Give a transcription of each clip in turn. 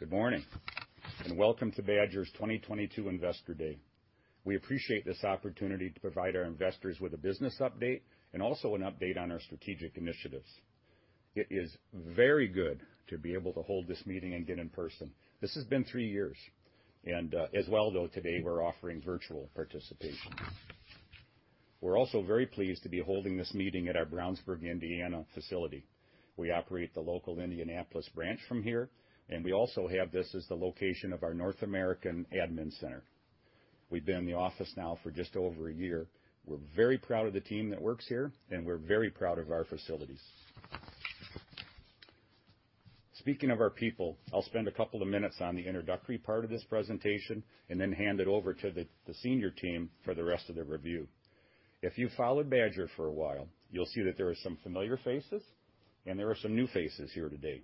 Good morning, and welcome to Badger's 2022 Investor Day. We appreciate this opportunity to provide our investors with a business update and also an update on our strategic initiatives. It is very good to be able to hold this meeting again in person. This has been three years, and, as well, though today we're offering virtual participation. We're also very pleased to be holding this meeting at our Brownsburg, Indiana facility. We operate the local Indianapolis branch from here, and we also have this as the location of our North American admin center. We've been in the office now for just over a year. We're very proud of the team that works here, and we're very proud of our facilities. Speaking of our people, I'll spend a couple of minutes on the introductory part of this presentation and then hand it over to the senior team for the rest of the review. If you've followed Badger for a while, you'll see that there are some familiar faces and there are some new faces here today.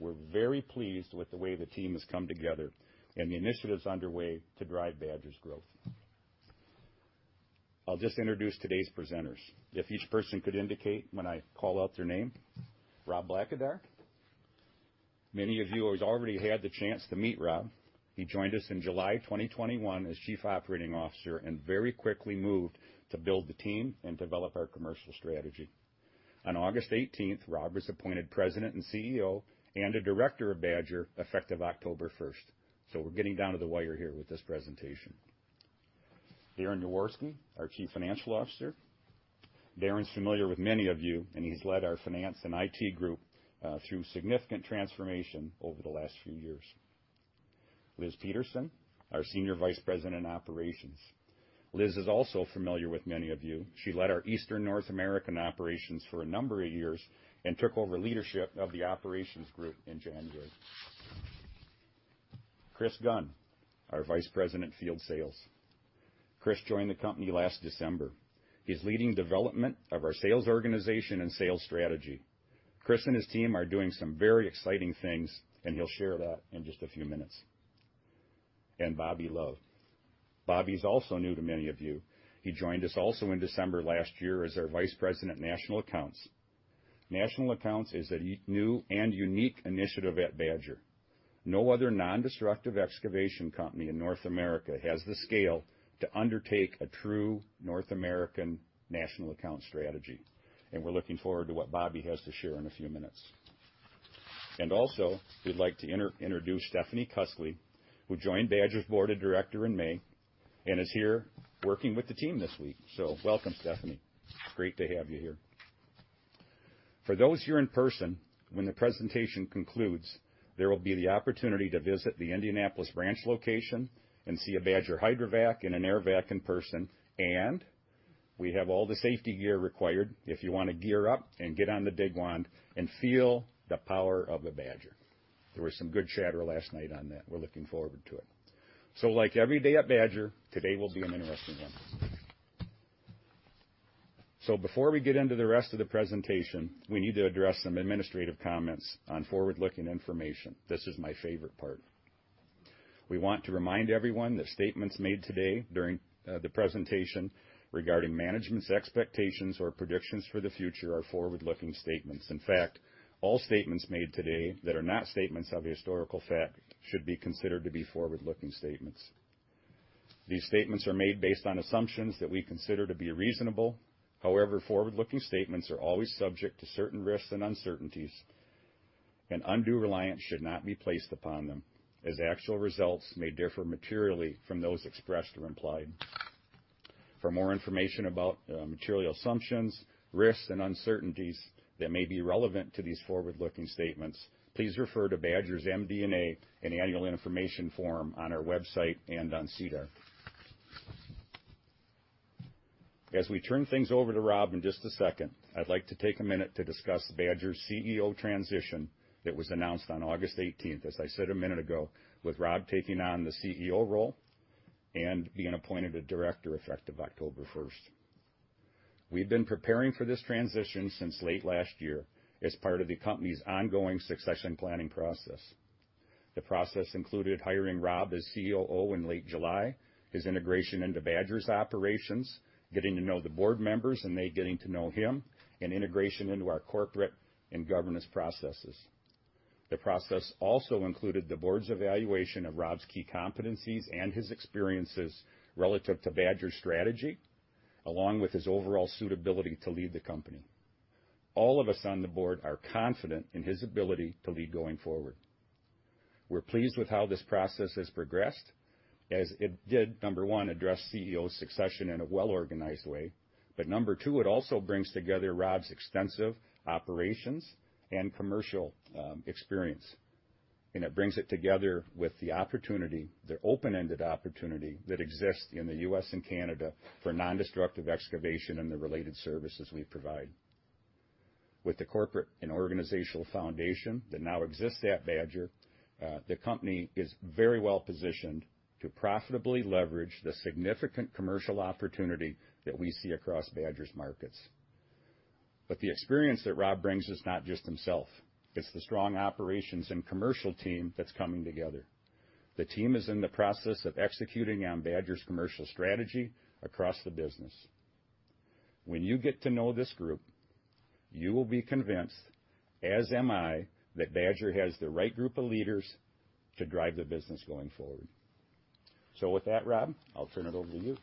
We're very pleased with the way the team has come together and the initiatives underway to drive Badger's growth. I'll just introduce today's presenters. If each person could indicate when I call out their name. Rob Blackadar. Many of you have already had the chance to meet Rob. He joined us in July 2021 as Chief Operating Officer and very quickly moved to build the team and develop our commercial strategy. On August 18, Rob was appointed President and CEO and a Director of Badger, effective October 1st. We're getting down to the wire here with this presentation. Darren Yaworsky, our Chief Financial Officer. Darren's familiar with many of you, and he's led our finance and IT group through significant transformation over the last few years. Liz Peterson, our Senior Vice President in Operations. Liz is also familiar with many of you. She led our Eastern North American operations for a number of years and took over leadership of the operations group in January. Chris Gunn, our Vice President, Field Sales. Chris joined the company last December. He's leading development of our sales organization and sales strategy. Chris and his team are doing some very exciting things, and he'll share that in just a few minutes. Bobby Love. Bobby is also new to many of you. He joined us also in December last year as our Vice President, National Accounts. National Accounts is a new and unique initiative at Badger. No other nondestructive excavation company in North America has the scale to undertake a true North American national account strategy, and we're looking forward to what Bobby has to share in a few minutes. Also, we'd like to introduce Stephanie Cuskley, who joined Badger's Board of Directors in May and is here working with the team this week. Welcome, Stephanie. Great to have you here. For those here in person, when the presentation concludes, there will be the opportunity to visit the Indianapolis branch location and see a Badger Hydrovac and an Airvac in person, and we have all the safety gear required if you wanna gear up and get on the dig wand and feel the power of the Badger. There was some good chatter last night on that. We're looking forward to it. Like every day at Badger, today will be an interesting one. Before we get into the rest of the presentation, we need to address some administrative comments on forward-looking information. This is my favorite part. We want to remind everyone that statements made today during the presentation regarding management's expectations or predictions for the future are forward-looking statements. In fact, all statements made today that are not statements of historical fact should be considered to be forward-looking statements. These statements are made based on assumptions that we consider to be reasonable. However, forward-looking statements are always subject to certain risks and uncertainties, and undue reliance should not be placed upon them, as actual results may differ materially from those expressed or implied. For more information about material assumptions, risks, and uncertainties that may be relevant to these forward-looking statements, please refer to Badger's MD&A and annual information form on our website and on SEDAR. As we turn things over to Rob in just a second, I'd like to take a minute to discuss Badger's CEO transition that was announced on August eighteenth, as I said a minute ago, with Rob taking on the CEO role and being appointed a director effective October 1st. We've been preparing for this transition since late last year as part of the company's ongoing succession planning process. The process included hiring Rob as COO in late July, his integration into Badger's operations, getting to know the board members and they getting to know him, and integration into our corporate and governance processes. The process also included the board's evaluation of Rob's key competencies and his experiences relative to Badger's strategy, along with his overall suitability to lead the company. All of us on the board are confident in his ability to lead going forward. We're pleased with how this process has progressed as it did, number one, address CEO succession in a well-organized way. Number two, it also brings together Rob's extensive operations and commercial experience, and it brings it together with the opportunity, the open-ended opportunity that exists in the U.S. and Canada for nondestructive excavation and the related services we provide. With the corporate and organizational foundation that now exists at Badger, the company is very well positioned to profitably leverage the significant commercial opportunity that we see across Badger's markets. The experience that Rob brings is not just himself. It's the strong operations and commercial team that's coming together. The team is in the process of executing on Badger's commercial strategy across the business. When you get to know this group, you will be convinced, as am I, that Badger has the right group of leaders to drive the business going forward. With that, Rob, I'll turn it over to you.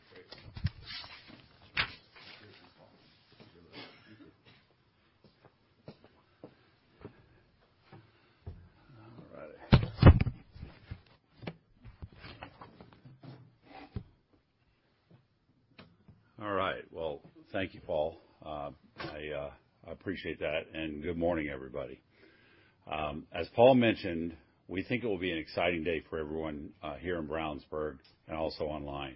Great. All right. Well, thank you, Paul. I appreciate that, and good morning, everybody. As Paul mentioned, we think it will be an exciting day for everyone here in Brownsburg and also online.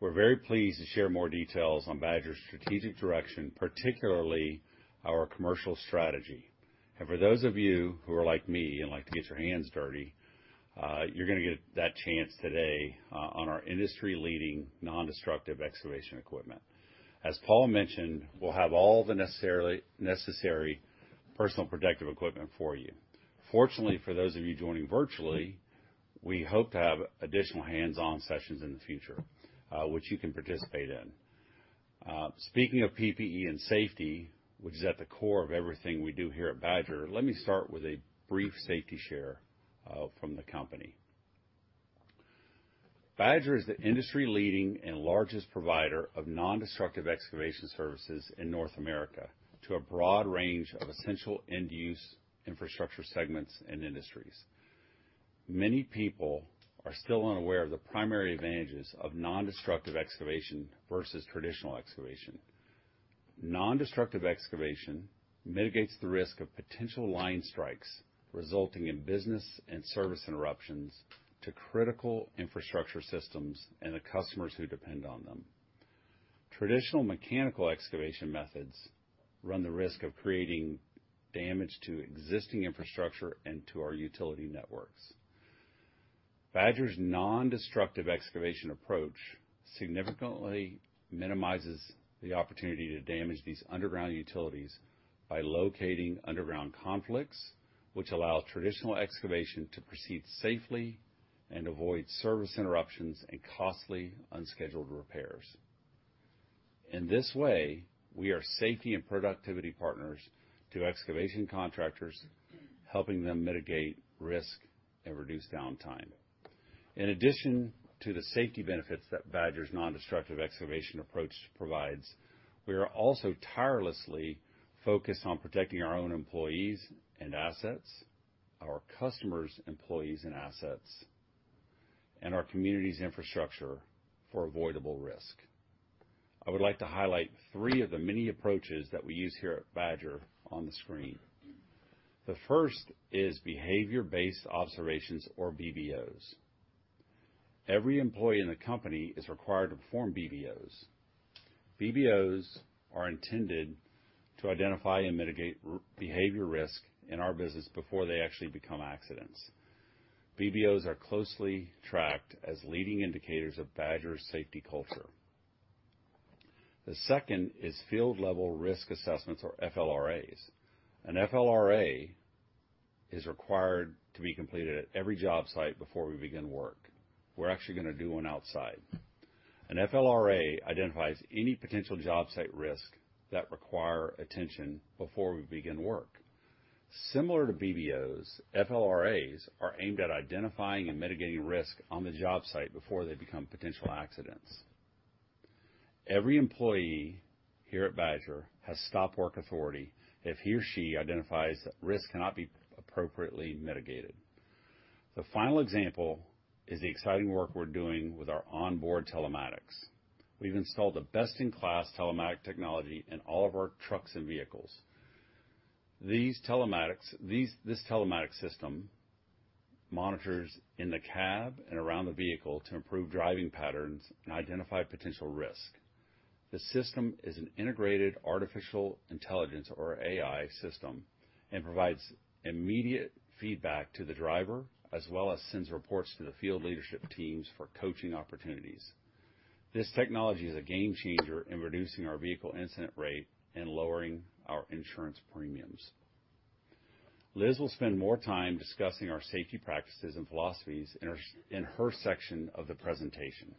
We're very pleased to share more details on Badger's strategic direction, particularly our commercial strategy. For those of you who are like me and like to get your hands dirty, you're gonna get that chance today on our industry-leading nondestructive excavation equipment. As Paul mentioned, we'll have all the necessary personal protective equipment for you. Fortunately for those of you joining virtually, we hope to have additional hands-on sessions in the future, which you can participate in. Speaking of PPE and safety, which is at the core of everything we do here at Badger, let me start with a brief safety share from the company. Badger is the industry-leading and largest provider of nondestructive excavation services in North America to a broad range of essential end-use infrastructure segments and industries. Many people are still unaware of the primary advantages of nondestructive excavation versus traditional excavation. Nondestructive excavation mitigates the risk of potential line strikes, resulting in business and service interruptions to critical infrastructure systems and the customers who depend on them. Traditional mechanical excavation methods run the risk of creating damage to existing infrastructure and to our utility networks. Badger's nondestructive excavation approach significantly minimizes the opportunity to damage these underground utilities by locating underground conflicts, which allow traditional excavation to proceed safely and avoid service interruptions and costly unscheduled repairs. In this way, we are safety and productivity partners to excavation contractors, helping them mitigate risk and reduce downtime. In addition to the safety benefits that Badger's nondestructive excavation approach provides, we are also tirelessly focused on protecting our own employees and assets, our customers' employees and assets, and our community's infrastructure for avoidable risk. I would like to highlight three of the many approaches that we use here at Badger on the screen. The first is behavior-based observations or BBOs. Every employee in the company is required to perform BBOs. BBOs are intended to identify and mitigate behavior risk in our business before they actually become accidents. BBOs are closely tracked as leading indicators of Badger's safety culture. The second is field-level risk assessments or FLRAs. An FLRA is required to be completed at every job site before we begin work. We're actually gonna do one outside. An FLRA identifies any potential job site risk that require attention before we begin work. Similar to BBOs, FLRAs are aimed at identifying and mitigating risk on the job site before they become potential accidents. Every employee here at Badger has stop-work authority if he or she identifies that risk cannot be appropriately mitigated. The final example is the exciting work we're doing with our onboard telematics. We've installed a best-in-class telematics technology in all of our trucks and vehicles. This telematics system monitors in the cab and around the vehicle to improve driving patterns and identify potential risk. The system is an integrated artificial intelligence or AI system and provides immediate feedback to the driver as well as sends reports to the field leadership teams for coaching opportunities. This technology is a game changer in reducing our vehicle incident rate and lowering our insurance premiums. Liz will spend more time discussing our safety practices and philosophies in her section of the presentation.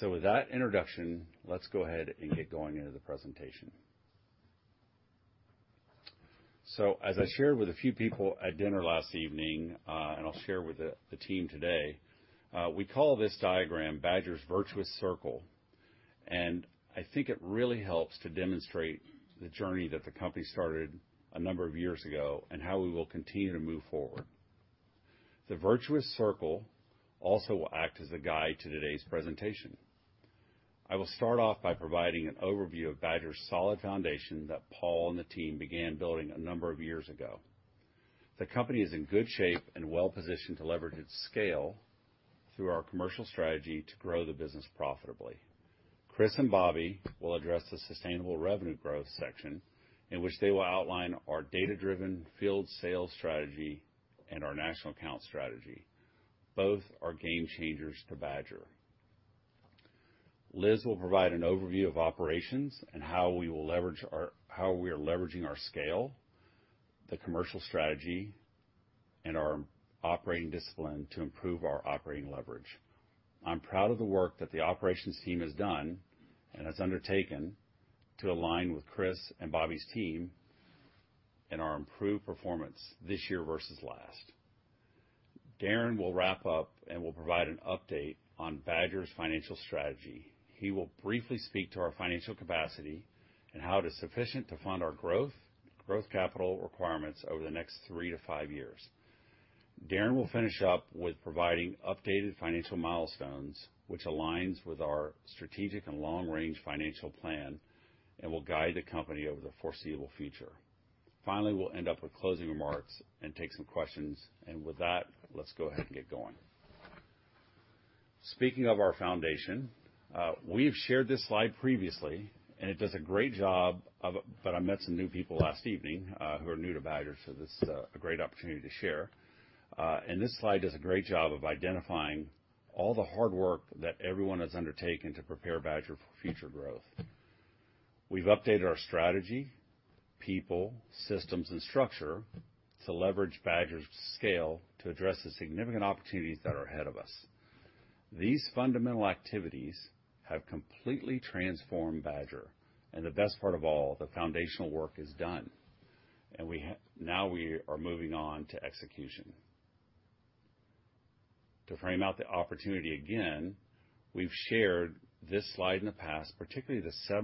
With that introduction, let's go ahead and get going into the presentation. As I shared with a few people at dinner last evening, and I'll share with the team today, we call this diagram Badger's Virtuous Circle, and I think it really helps to demonstrate the journey that the company started a number of years ago and how we will continue to move forward. The Virtuous Circle also will act as a guide to today's presentation. I will start off by providing an overview of Badger's solid foundation that Paul and the team began building a number of years ago. The company is in good shape and well-positioned to leverage its scale through our commercial strategy to grow the business profitably. Chris and Bobby will address the sustainable revenue growth section, in which they will outline our data-driven field sales strategy and our national account strategy. Both are game changers to Badger. Liz will provide an overview of operations and how we are leveraging our scale, the commercial strategy and our operating discipline to improve our operating leverage. I'm proud of the work that the operations team has done and has undertaken to align with Chris and Bobby's team and our improved performance this year versus last. Darren will wrap up and will provide an update on Badger's financial strategy. He will briefly speak to our financial capacity and how it is sufficient to fund our growth capital requirements over the next three to five years. Darren will finish up with providing updated financial milestones, which aligns with our strategic and long-range financial plan and will guide the company over the foreseeable future. Finally, we'll end up with closing remarks and take some questions. With that, let's go ahead and get going. Speaking of our foundation, we've shared this slide previously, and it does a great job, but I met some new people last evening, who are new to Badger, so this is a great opportunity to share. This slide does a great job of identifying all the hard work that everyone has undertaken to prepare Badger for future growth. We've updated our strategy, people, systems, and structure to leverage Badger's scale to address the significant opportunities that are ahead of us. These fundamental activities have completely transformed Badger, and the best part of all, the foundational work is done, and we have now we are moving on to execution. To frame out the opportunity again, we've shared this slide in the past, particularly the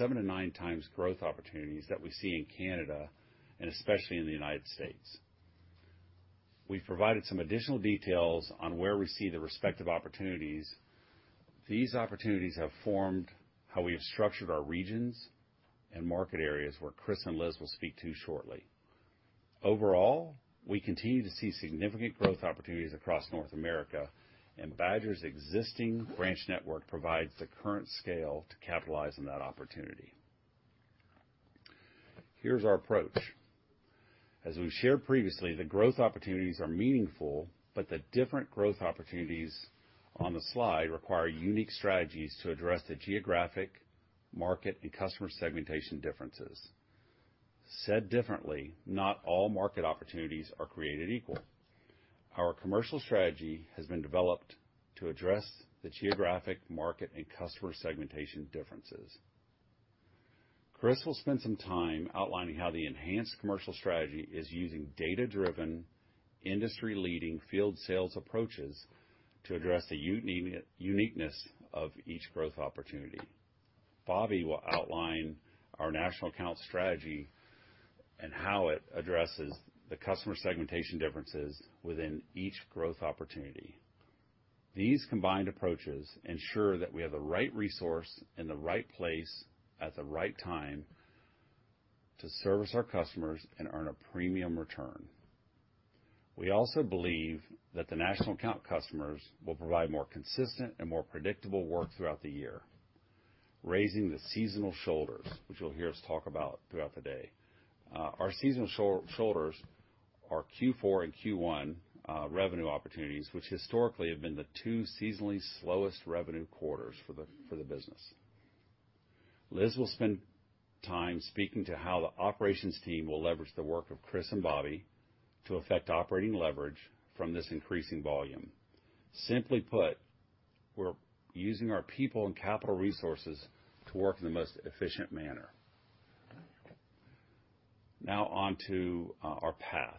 7x-9x growth opportunities that we see in Canada and especially in the United States. We've provided some additional details on where we see the respective opportunities. These opportunities have formed how we have structured our regions and market areas where Chris and Liz will speak to shortly. Overall, we continue to see significant growth opportunities across North America, and Badger's existing branch network provides the current scale to capitalize on that opportunity. Here's our approach. As we've shared previously, the growth opportunities are meaningful, but the different growth opportunities on the slide require unique strategies to address the geographic market and customer segmentation differences. Said differently, not all market opportunities are created equal. Our commercial strategy has been developed to address the geographic market and customer segmentation differences. Chris will spend some time outlining how the enhanced commercial strategy is using data-driven, industry-leading field sales approaches to address the uniqueness of each growth opportunity. Bobby will outline our national account strategy and how it addresses the customer segmentation differences within each growth opportunity. These combined approaches ensure that we have the right resource in the right place at the right time to service our customers and earn a premium return. We also believe that the national account customers will provide more consistent and more predictable work throughout the year, raising the seasonal shoulders, which you'll hear us talk about throughout the day. Our seasonal shoulders are Q4 and Q1, revenue opportunities, which historically have been the two seasonally slowest revenue quarters for the business. Liz will spend time speaking to how the operations team will leverage the work of Chris and Bobby to affect operating leverage from this increasing volume. Simply put, we're using our people and capital resources to work in the most efficient manner. Now on to our path.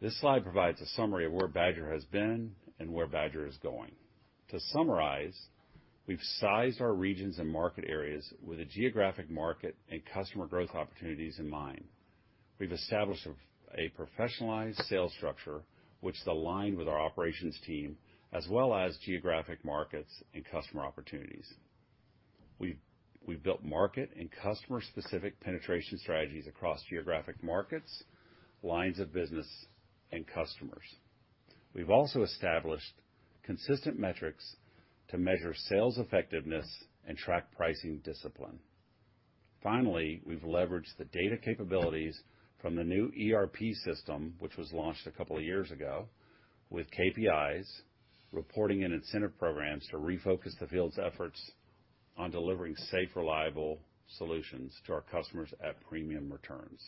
This slide provides a summary of where Badger has been and where Badger is going. To summarize, we've sized our regions and market areas with the geographic market and customer growth opportunities in mind. We've established a professionalized sales structure which is aligned with our operations team as well as geographic markets and customer opportunities. We've built market and customer-specific penetration strategies across geographic markets, lines of business, and customers. We've also established consistent metrics to measure sales effectiveness and track pricing discipline. Finally, we've leveraged the data capabilities from the new ERP system, which was launched a couple of years ago, with KPIs, reporting and incentive programs to refocus the field's efforts on delivering safe, reliable solutions to our customers at premium returns.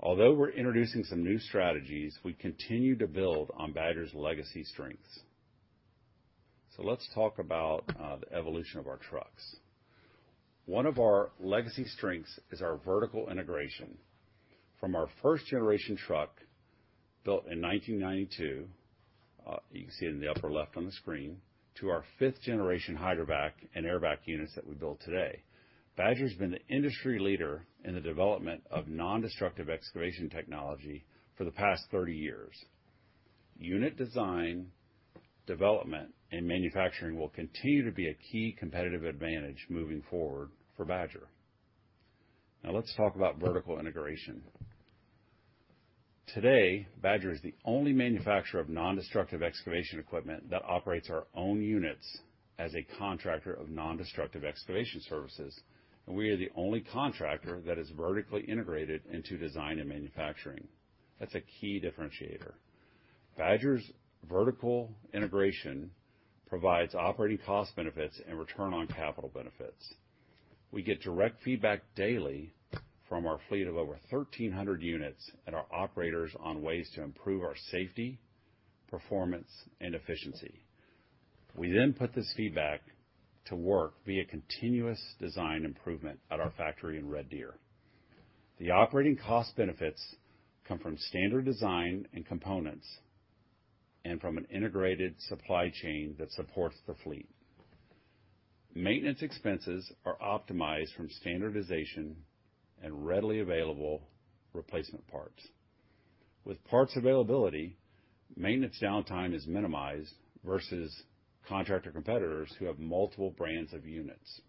Although we're introducing some new strategies, we continue to build on Badger's legacy strengths. Let's talk about the evolution of our trucks. One of our legacy strengths is our vertical integration. From our 1st-generation truck built in 1992, you can see it in the upper left on the screen, to our 5th-generation Hydrovac and Airvac units that we build today. Badger's been the industry leader in the development of nondestructive excavation technology for the past 30 years. Unit design, development, and manufacturing will continue to be a key competitive advantage moving forward for Badger. Now let's talk about vertical integration. Today, Badger is the only manufacturer of nondestructive excavation equipment that operates our own units as a contractor of nondestructive excavation services, and we are the only contractor that is vertically integrated into design and manufacturing. That's a key differentiator. Badger's vertical integration provides operating cost benefits and return on capital benefits. We get direct feedback daily from our fleet of over 1,300 units and our operators on ways to improve our safety, performance, and efficiency. We then put this feedback to work via continuous design improvement at our factory in Red Deer. The operating cost benefits come from standard design and components and from an integrated supply chain that supports the fleet. Maintenance expenses are optimized from standardization and readily available replacement parts. With parts availability, maintenance downtime is minimized versus contractor competitors who have multiple brands of units.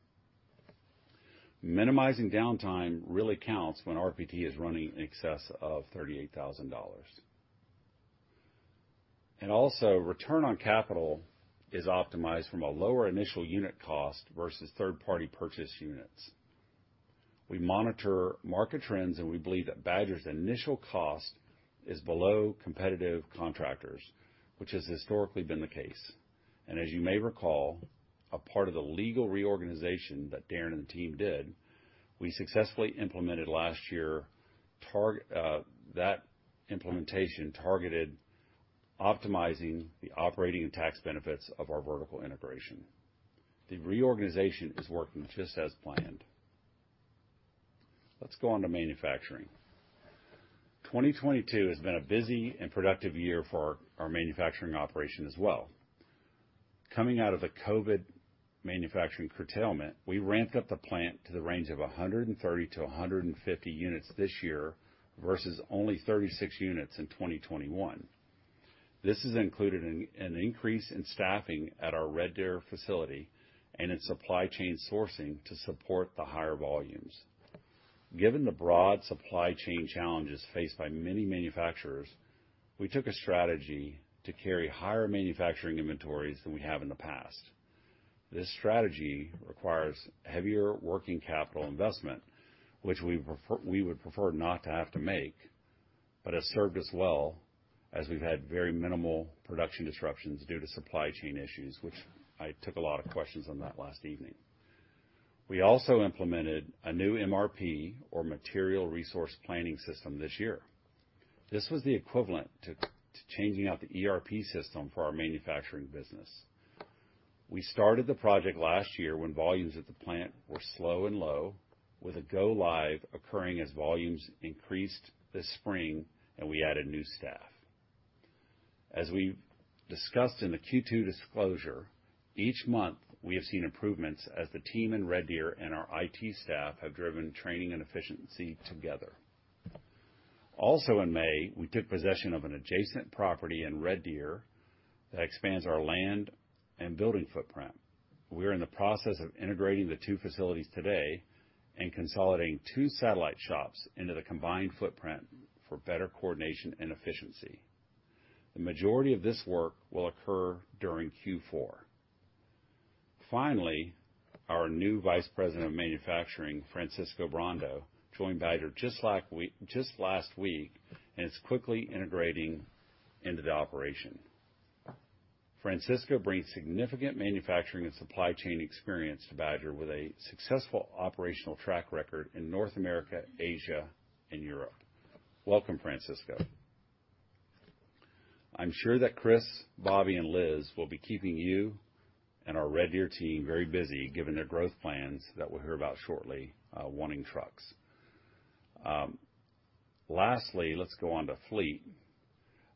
Minimizing downtime really counts when RPT is running in excess of $38,000. Return on capital is optimized from a lower initial unit cost versus third-party purchase units. We monitor market trends, and we believe that Badger's initial cost is below competitive contractors, which has historically been the case. As you may recall, a part of the legal reorganization that Darren and the team did, we successfully implemented last year, that implementation targeted optimizing the operating and tax benefits of our vertical integration. The reorganization is working just as planned. Let's go on to manufacturing. 2022 has been a busy and productive year for our manufacturing operation as well. Coming out of the COVID manufacturing curtailment, we ramped up the plant to the range of 130 to 150 units this year versus only 36 units in 2021. This has included an increase in staffing at our Red Deer facility and in supply chain sourcing to support the higher volumes. Given the broad supply chain challenges faced by many manufacturers, we took a strategy to carry higher manufacturing inventories than we have in the past. This strategy requires heavier working capital investment, which we prefer, we would prefer not to have to make, but has served us well as we've had very minimal production disruptions due to supply chain issues, which I took a lot of questions on that last evening. We also implemented a new MRP or material resource planning system this year. This was the equivalent to changing out the ERP system for our manufacturing business. We started the project last year when volumes at the plant were slow and low, with a go-live occurring as volumes increased this spring, and we added new staff. As we discussed in the Q2 disclosure, each month we have seen improvements as the team in Red Deer and our IT staff have driven training and efficiency together. Also in May, we took possession of an adjacent property in Red Deer that expands our land and building footprint. We are in the process of integrating the two facilities today and consolidating two satellite shops into the combined footprint for better coordination and efficiency. The majority of this work will occur during Q4. Finally, our new Vice President of Manufacturing, Francisco Brondo, joined Badger just last week and is quickly integrating into the operation. Francisco brings significant manufacturing and supply chain experience to Badger with a successful operational track record in North America, Asia, and Europe. Welcome, Francisco. I'm sure that Chris, Bobby, and Liz will be keeping you and our Red Deer team very busy given their growth plans that we'll hear about shortly, wanting trucks. Lastly, let's go on to fleet.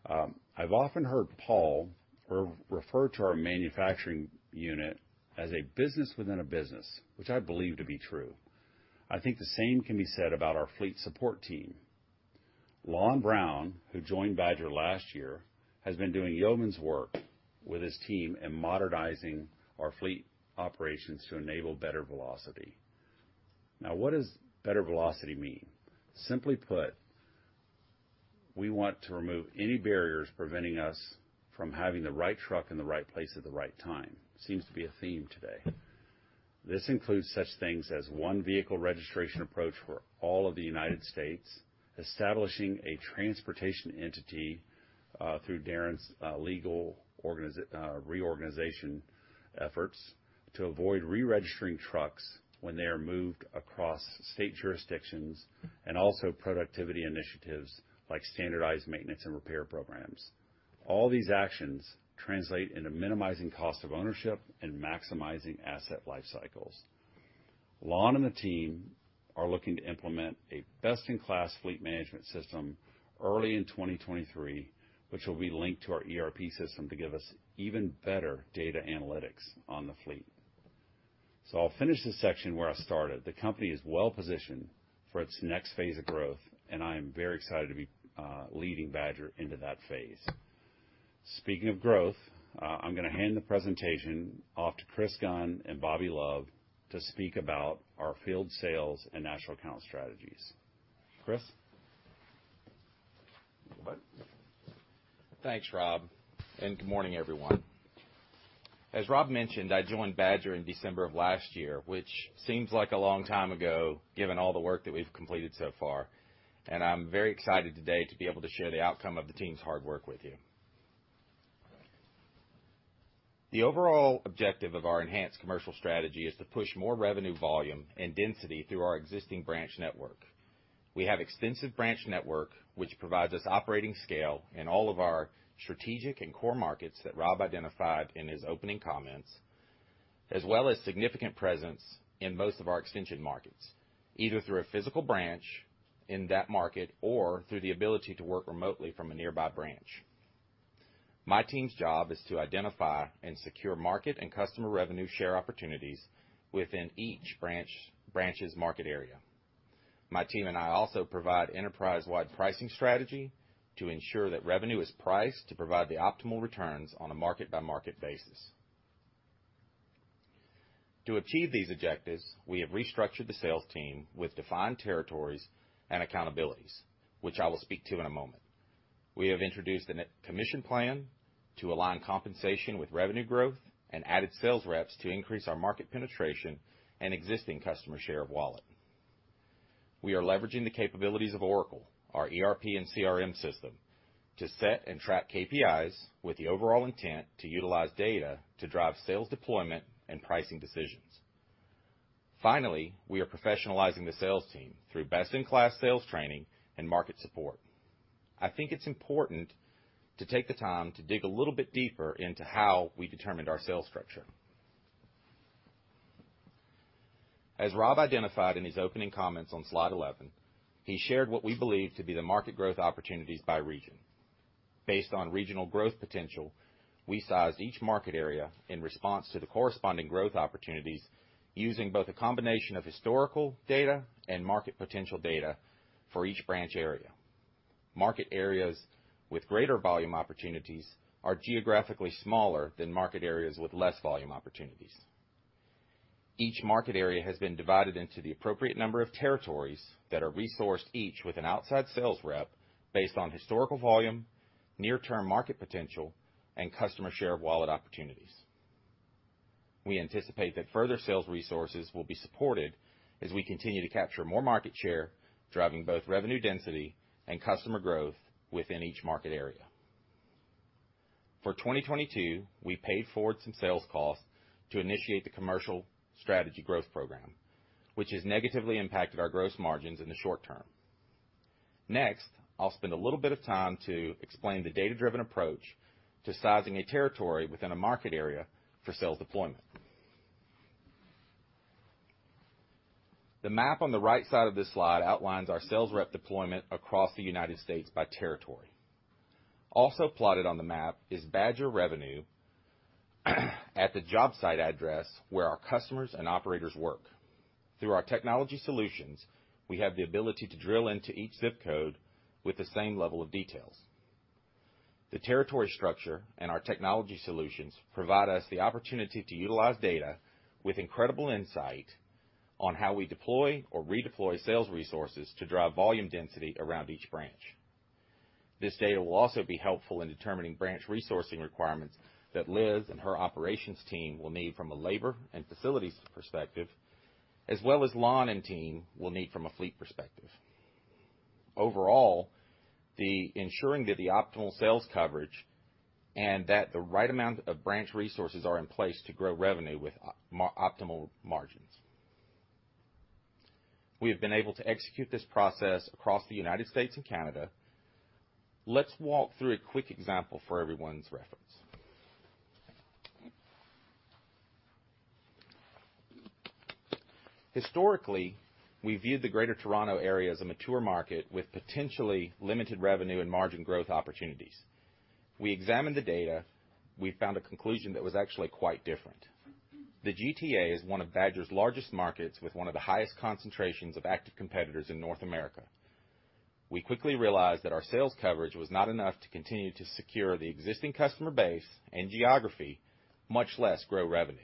I've often heard Paul refer to our manufacturing unit as a business within a business, which I believe to be true. I think the same can be said about our fleet support team. Lon Brown, who joined Badger last year, has been doing yeoman's work with his team in modernizing our fleet operations to enable better velocity. Now, what does better velocity mean? Simply put, we want to remove any barriers preventing us from having the right truck in the right place at the right time. Seems to be a theme today. This includes such things as one vehicle registration approach for all of the United States, establishing a transportation entity through Darren's legal reorganization efforts to avoid reregistering trucks when they are moved across state jurisdictions, and also productivity initiatives like standardized maintenance and repair programs. All these actions translate into minimizing cost of ownership and maximizing asset life cycles. Lon and the team are looking to implement a best-in-class fleet management system early in 2023, which will be linked to our ERP system to give us even better data analytics on the fleet. I'll finish this section where I started. The company is well positioned for its next phase of growth, and I am very excited to be leading Badger into that phase. Speaking of growth, I'm gonna hand the presentation off to Chris Gunn and Bobby Love to speak about our field sales and national account strategies. Chris? Thanks, Rob, and good morning, everyone. As Rob mentioned, I joined Badger in December of last year, which seems like a long time ago, given all the work that we've completed so far, and I'm very excited today to be able to share the outcome of the team's hard work with you. The overall objective of our enhanced commercial strategy is to push more revenue volume and density through our existing branch network. We have extensive branch network, which provides us operating scale in all of our strategic and core markets that Rob identified in his opening comments, as well as significant presence in most of our extension markets, either through a physical branch in that market or through the ability to work remotely from a nearby branch. My team's job is to identify and secure market and customer revenue share opportunities within each branch's market area. My team and I also provide enterprise-wide pricing strategy to ensure that revenue is priced to provide the optimal returns on a market-by-market basis. To achieve these objectives, we have restructured the sales team with defined territories and accountabilities, which I will speak to in a moment. We have introduced the new commission plan to align compensation with revenue growth and added sales reps to increase our market penetration and existing customer share of wallet. We are leveraging the capabilities of Oracle, our ERP and CRM system, to set and track KPIs with the overall intent to utilize data to drive sales deployment and pricing decisions. Finally, we are professionalizing the sales team through best-in-class sales training and market support. I think it's important to take the time to dig a little bit deeper into how we determined our sales structure. As Rob identified in his opening comments on slide 11, he shared what we believe to be the market growth opportunities by region. Based on regional growth potential, we sized each market area in response to the corresponding growth opportunities using both a combination of historical data and market potential data for each branch area. Market areas with greater volume opportunities are geographically smaller than market areas with less volume opportunities. Each market area has been divided into the appropriate number of territories that are resourced, each with an outside sales rep based on historical volume, near-term market potential, and customer share of wallet opportunities. We anticipate that further sales resources will be supported as we continue to capture more market share, driving both revenue density and customer growth within each market area. For 2022, we paid forward some sales costs to initiate the commercial strategy growth program, which has negatively impacted our gross margins in the short term. Next, I'll spend a little bit of time to explain the data-driven approach to sizing a territory within a market area for sales deployment. The map on the right side of this slide outlines our sales rep deployment across the United States by territory. Also plotted on the map is Badger revenue at the job site address where our customers and operators work. Through our technology solutions, we have the ability to drill into each zip code with the same level of details. The territory structure and our technology solutions provide us the opportunity to utilize data with incredible insight on how we deploy or redeploy sales resources to drive volume density around each branch. This data will also be helpful in determining branch resourcing requirements that Liz and her operations team will need from a labor and facilities perspective, as well as Lon and team will need from a fleet perspective. Overall, ensuring that the optimal sales coverage and that the right amount of branch resources are in place to grow revenue with optimal margins. We have been able to execute this process across the United States and Canada. Let's walk through a quick example for everyone's reference. Historically, we viewed the Greater Toronto Area as a mature market with potentially limited revenue and margin growth opportunities. We examined the data, we found a conclusion that was actually quite different. The GTA is one of Badger's largest markets, with one of the highest concentrations of active competitors in North America. We quickly realized that our sales coverage was not enough to continue to secure the existing customer base and geography, much less grow revenue.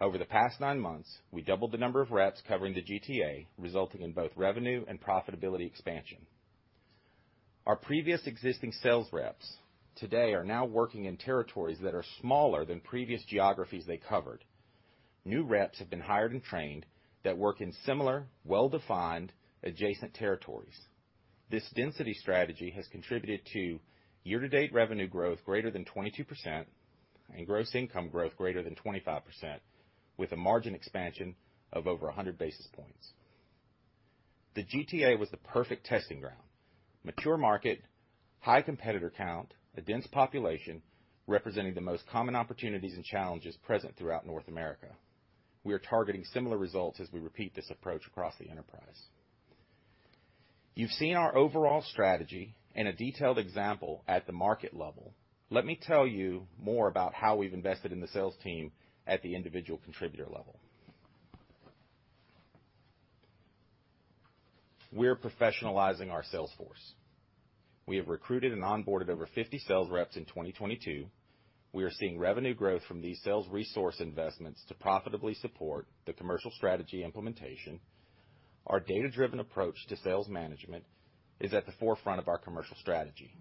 Over the past nine months, we doubled the number of reps covering the GTA, resulting in both revenue and profitability expansion. Our previous existing sales reps today are now working in territories that are smaller than previous geographies they covered. New reps have been hired and trained that work in similar, well-defined adjacent territories. This density strategy has contributed to year-to-date revenue growth greater than 22% and gross income growth greater than 25%, with a margin expansion of over 100 basis points. The GTA was the perfect testing ground. Mature market, high competitor count, a dense population representing the most common opportunities and challenges present throughout North America. We are targeting similar results as we repeat this approach across the enterprise. You've seen our overall strategy and a detailed example at the market level. Let me tell you more about how we've invested in the sales team at the individual contributor level. We're professionalizing our sales force. We have recruited and onboarded over 50 sales reps in 2022. We are seeing revenue growth from these sales resource investments to profitably support the commercial strategy implementation. Our data-driven approach to sales management is at the forefront of our commercial strategy.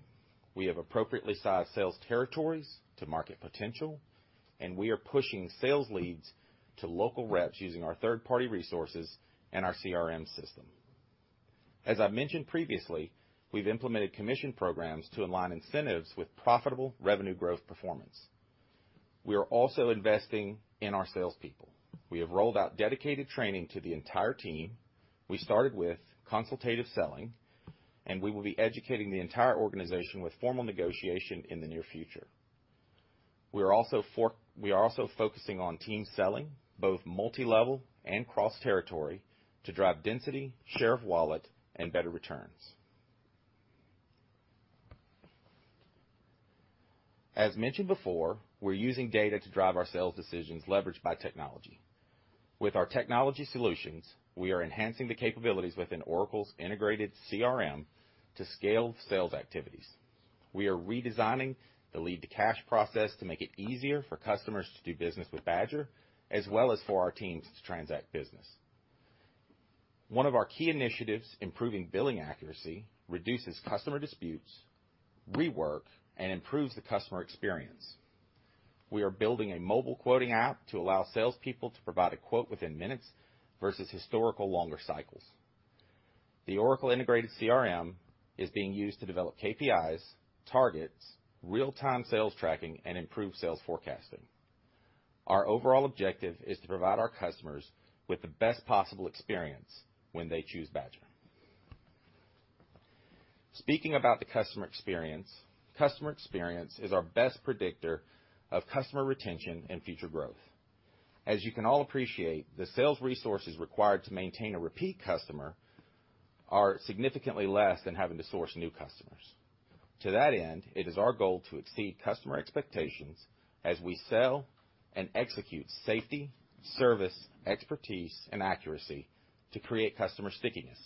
We have appropriately sized sales territories to market potential, and we are pushing sales leads to local reps using our third-party resources and our CRM system. As I mentioned previously, we've implemented commission programs to align incentives with profitable revenue growth performance. We are also investing in our salespeople. We have rolled out dedicated training to the entire team. We started with consultative selling, and we will be educating the entire organization with formal negotiation in the near-future. We are also focusing on team selling, both multilevel and cross-territory to drive density, share of wallet, and better returns. As mentioned before, we're using data to drive our sales decisions leveraged by technology. With our technology solutions, we are enhancing the capabilities within Oracle's integrated CRM to scale sales activities. We are redesigning the lead-to-cash process to make it easier for customers to do business with Badger, as well as for our teams to transact business. One of our key initiatives, improving billing accuracy, reduces customer disputes, rework, and improves the customer experience. We are building a mobile quoting app to allow salespeople to provide a quote within minutes versus historical longer cycles. The Oracle integrated CRM is being used to develop KPIs, targets, real-time sales tracking, and improved sales forecasting. Our overall objective is to provide our customers with the best possible experience when they choose Badger. Speaking about the customer experience, customer experience is our best predictor of customer retention and future growth. As you can all appreciate, the sales resources required to maintain a repeat customer are significantly less than having to source new customers. To that end, it is our goal to exceed customer expectations as we sell and execute safety, service, expertise, and accuracy to create customer stickiness.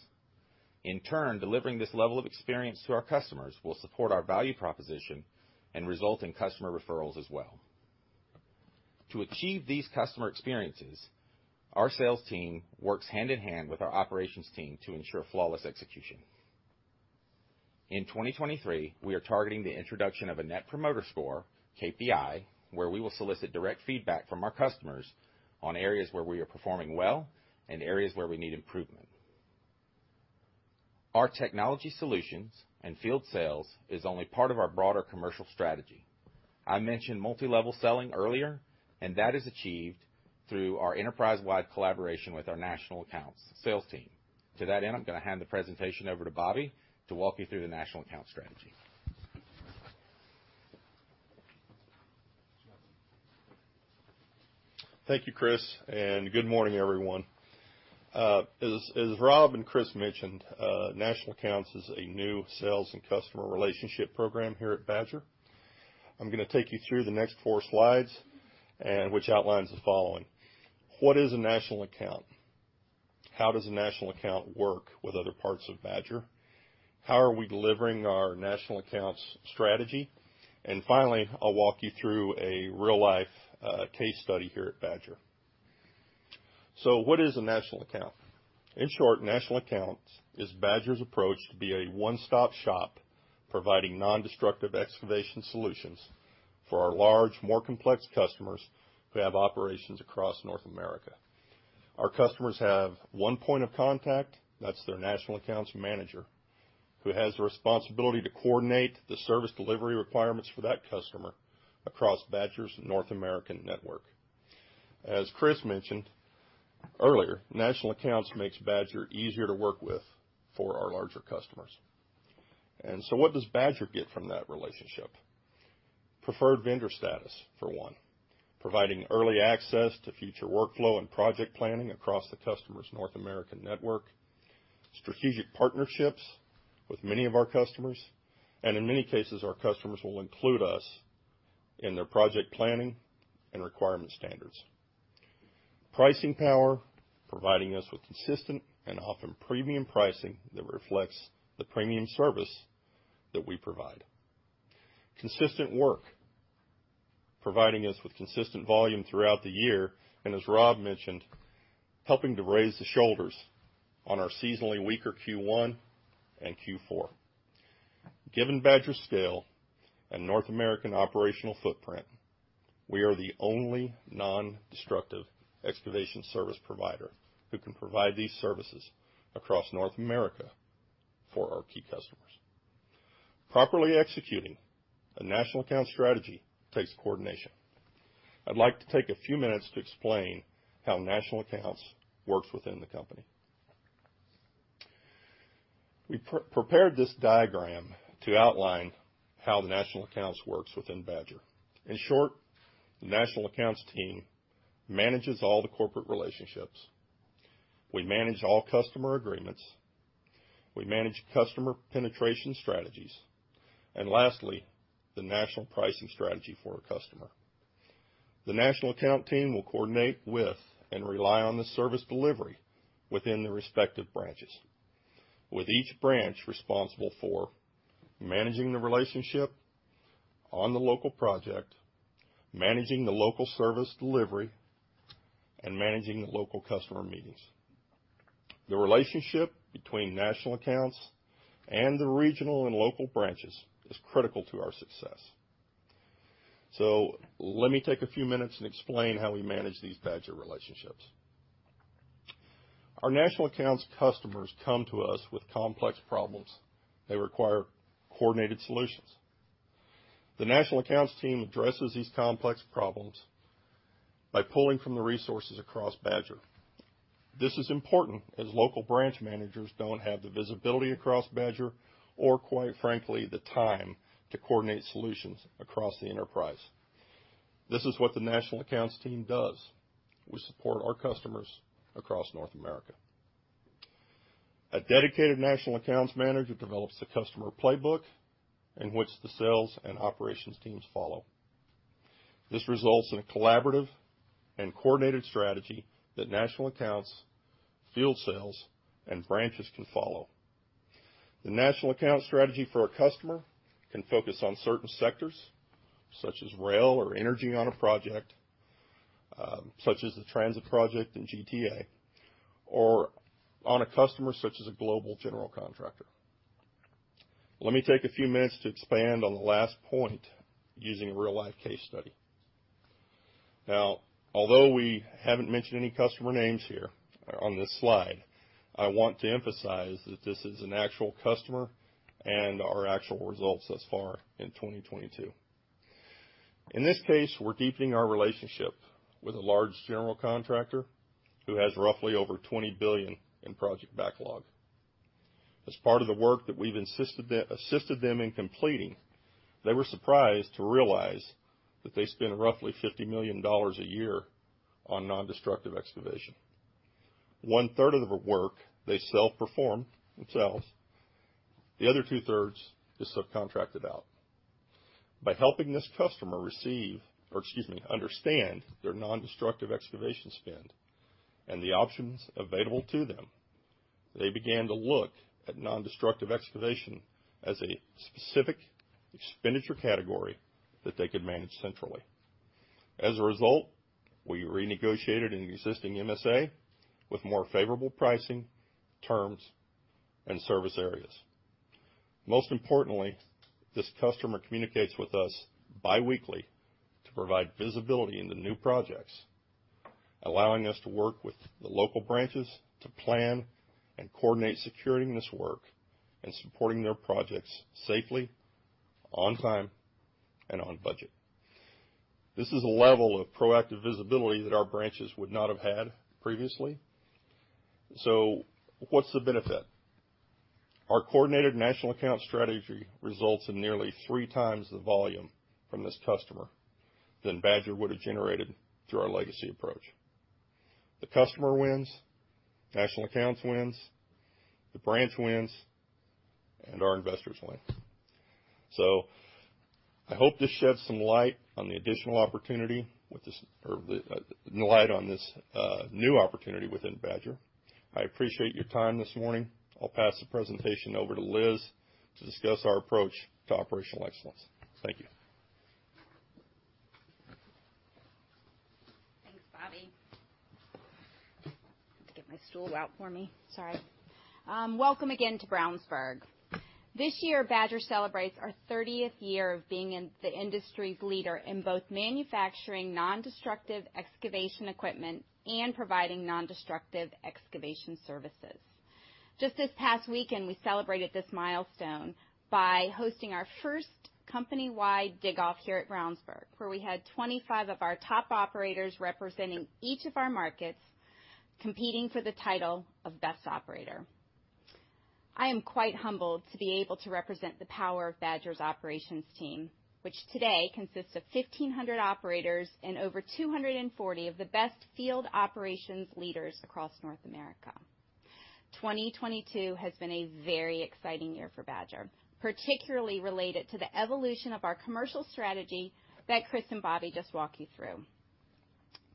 In turn, delivering this level of experience to our customers will support our value proposition and result in customer referrals as well. To achieve these customer experiences, our sales team works hand-in-hand with our operations team to ensure flawless execution. In 2023, we are targeting the introduction of a net promoter score, KPI, where we will solicit direct feedback from our customers on areas where we are performing well and areas where we need improvement. Our technology solutions and field sales is only part of our broader commercial strategy. I mentioned multilevel selling earlier, and that is achieved through our enterprise-wide collaboration with our national accounts sales team. To that end, I'm gonna hand the presentation over to Bobby to walk you through the national account strategy. Thank you, Chris, and good morning, everyone. As Rob and Chris mentioned, national accounts is a new sales and customer relationship program here at Badger. I'm gonna take you through the next four slides and which outlines the following: what is a national account? How does a national account work with other parts of Badger? How are we delivering our national accounts strategy? And finally, I'll walk you through a real-life case study here at Badger. What is a national account? In short, national accounts is Badger's approach to be a one-stop shop, providing nondestructive excavation solutions for our large, more complex customers who have operations across North America. Our customers have one point of contact, that's their national accounts manager, who has the responsibility to coordinate the service delivery requirements for that customer across Badger's North American network. As Chris mentioned earlier, national accounts makes Badger easier to work with for our larger customers. What does Badger get from that relationship? Preferred vendor status for one, providing early access to future workflow and project planning across the customer's North American network. Strategic partnerships with many of our customers, and in many cases, our customers will include us in their project planning and requirement standards. Pricing power, providing us with consistent and often premium pricing that reflects the premium service that we provide. Consistent work, providing us with consistent volume throughout the year, and as Rob mentioned, helping to raise the shoulders on our seasonally weaker Q1 and Q4. Given Badger's scale and North American operational footprint, we are the only nondestructive excavation service provider who can provide these services across North America for our key customers. Properly executing a national account strategy takes coordination. I'd like to take a few minutes to explain how national accounts works within the company. We prepared this diagram to outline how the national accounts works within Badger. In short, the national accounts team manages all the corporate relationships. We manage all customer agreements, we manage customer penetration strategies, and lastly, the national pricing strategy for a customer. The national account team will coordinate with and rely on the service delivery within the respective branches, with each branch responsible for managing the relationship on the local project, managing the local service delivery, and managing the local customer meetings. The relationship between national accounts and the regional and local branches is critical to our success. Let me take a few minutes and explain how we manage these Badger relationships. Our national accounts customers come to us with complex problems. They require coordinated solutions. The national accounts team addresses these complex problems by pulling from the resources across Badger. This is important as local branch managers don't have the visibility across Badger or quite frankly, the time to coordinate solutions across the enterprise. This is what the national accounts team does. We support our customers across North America. A dedicated national accounts manager develops the customer playbook in which the sales and operations teams follow. This results in a collaborative and coordinated strategy that national accounts, field sales, and branches can follow. The national account strategy for a customer can focus on certain sectors such as rail or energy on a project, such as the transit project in GTA, or on a customer such as a global general contractor. Let me take a few minutes to expand on the last point using a real-life case study. Now, although we haven't mentioned any customer names here on this slide, I want to emphasize that this is an actual customer and our actual results thus far in 2022. In this case, we're deepening our relationship with a large general contractor who has roughly over $20 billion in project backlog. As part of the work that we've assisted them in completing, they were surprised to realize that they spend roughly $50 million a year on nondestructive excavation. 1/3 of the work they self-perform themselves, the other 2/3 is subcontracted out. By helping this customer understand their nondestructive excavation spend and the options available to them, they began to look at nondestructive excavation as a specific expenditure category that they could manage centrally. As a result, we renegotiated an existing MSA with more favorable pricing, terms, and service areas. Most importantly, this customer communicates with us bi-weekly to provide visibility into new projects, allowing us to work with the local branches to plan and coordinate securing this work and supporting their projects safely, on time, and on budget. This is a level of proactive visibility that our branches would not have had previously. What's the benefit? Our coordinated national account strategy results in nearly 3x the volume from this customer than Badger would have generated through our legacy approach. The customer wins, national accounts wins, the branch wins, and our investors win. I hope this sheds some light on the additional opportunity with this or the, light on this, new opportunity within Badger. I appreciate your time this morning. I'll pass the presentation over to Liz to discuss our approach to operational excellence. Thank you. Thanks, Bobby. Get my stool out for me. Sorry. Welcome again to Brownsburg. This year, Badger celebrates our 30th year of being as the industry's leader in both manufacturing nondestructive excavation equipment and providing nondestructive excavation services. Just this past weekend, we celebrated this milestone by hosting our first company-wide dig off here at Brownsburg, where we had 25 of our top operators representing each of our markets, competing for the title of Best Operator. I am quite humbled to be able to represent the power of Badger's operations team, which today consists of 1,500 operators and over 240 of the best field operations leaders across North America. 2022 has been a very exciting year for Badger, particularly related to the evolution of our commercial strategy that Chris and Bobby just walked you through.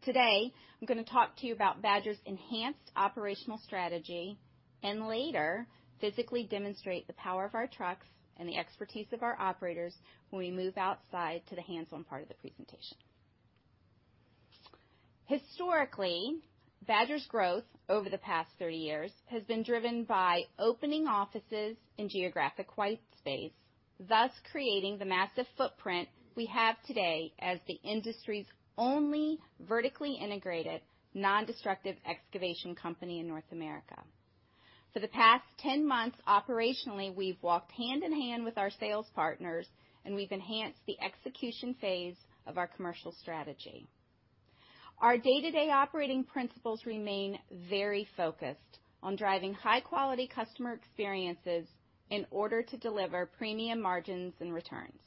Today, I'm gonna talk to you about Badger's enhanced operational strategy and later physically demonstrate the power of our trucks and the expertise of our operators when we move outside to the hands-on part of the presentation. Historically, Badger's growth over the past 30 years has been driven by opening offices in geographic white space, thus creating the massive footprint we have today as the industry's only vertically integrated, nondestructive excavation company in North America. For the past 10 months, operationally, we've walked hand-in-hand with our sales partners, and we've enhanced the execution phase of our commercial strategy. Our day-to-day operating principles remain very focused on driving high-quality customer experiences in order to deliver premium margins and returns.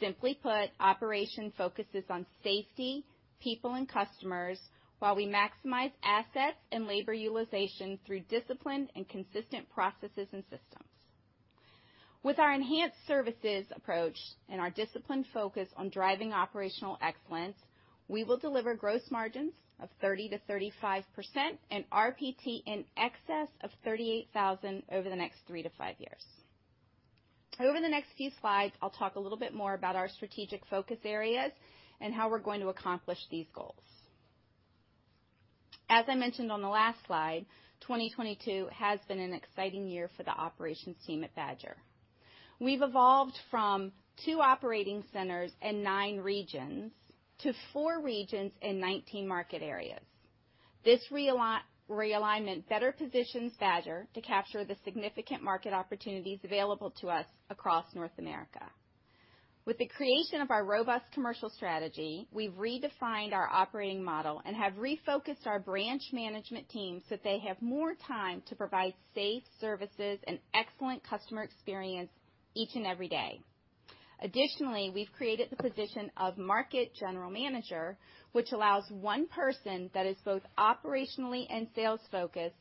Simply put, operation focuses on safety, people and customers while we maximize assets and labor utilization through disciplined and consistent processes and systems. With our enhanced services approach and our disciplined focus on driving operational excellence, we will deliver gross margins of 30%-35% and RPT in excess of 38,000 over the next three to five years. Over the next few slides, I'll talk a little bit more about our strategic focus areas and how we're going to accomplish these goals. As I mentioned on the last slide, 2022 has been an exciting year for the operations team at Badger. We've evolved from two operating centers and nine regions to four regions and 19 market areas. This realignment better positions Badger to capture the significant market opportunities available to us across North America. With the creation of our robust commercial strategy, we've redefined our operating model and have refocused our branch management team so that they have more time to provide safe services and excellent customer experience each and every day. Additionally, we've created the position of market general manager, which allows one person that is both operationally and sales-focused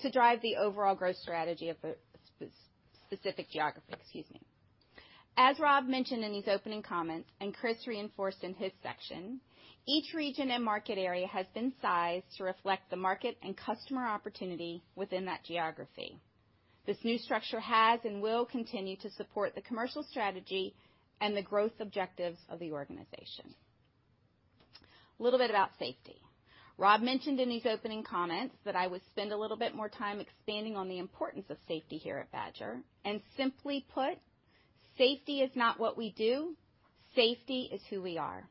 to drive the overall growth strategy of a specific geography. Excuse me. As Rob mentioned in his opening comments, and Chris reinforced in his section, each region and market area has been sized to reflect the market and customer opportunity within that geography. This new structure has and will continue to support the commercial strategy and the growth objectives of the organization. A little bit about safety. Rob mentioned in his opening comments that I would spend a little bit more time expanding on the importance of safety here at Badger. Simply put, safety is not what we do, safety is who we are.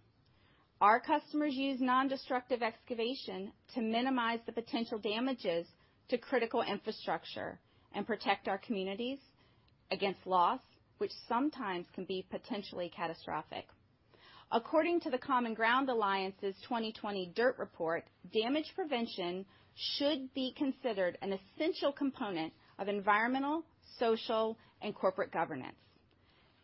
Our customers use nondestructive excavation to minimize the potential damages to critical infrastructure and protect our communities against loss, which sometimes can be potentially catastrophic. According to the Common Ground Alliance's 2020 DIRT Report, damage prevention should be considered an essential component of environmental, social, and corporate governance.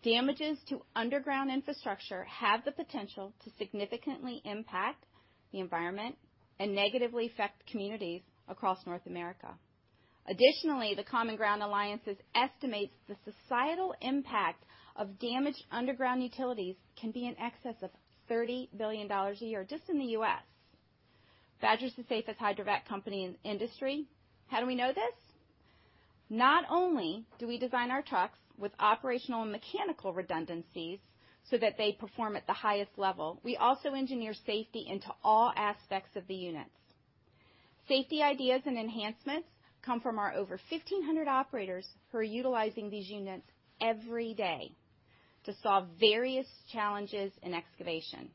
Damages to underground infrastructure have the potential to significantly impact the environment and negatively affect communities across North America. Additionally, the Common Ground Alliance estimates the societal impact of damaged underground utilities can be in excess of $30 billion a year just in the U.S. Badger's the safest hydrovac company in industry. How do we know this? Not only do we design our trucks with operational and mechanical redundancies so that they perform at the highest level, we also engineer safety into all aspects of the units. Safety ideas and enhancements come from our over 1,500 operators who are utilizing these units every day to solve various challenges in excavation.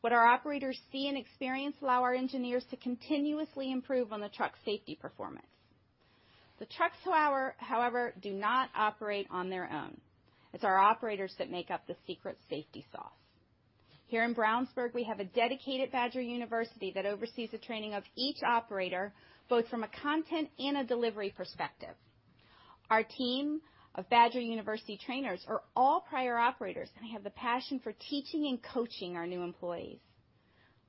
What our operators see and experience allow our engineers to continuously improve on the truck safety performance. The trucks, however, do not operate on their own. It's our operators that make up the secret safety sauce. Here in Brownsburg, we have a dedicated Badger University that oversees the training of each operator, both from a content and a delivery perspective. Our team of Badger University trainers are all prior operators, and they have the passion for teaching and coaching our new employees.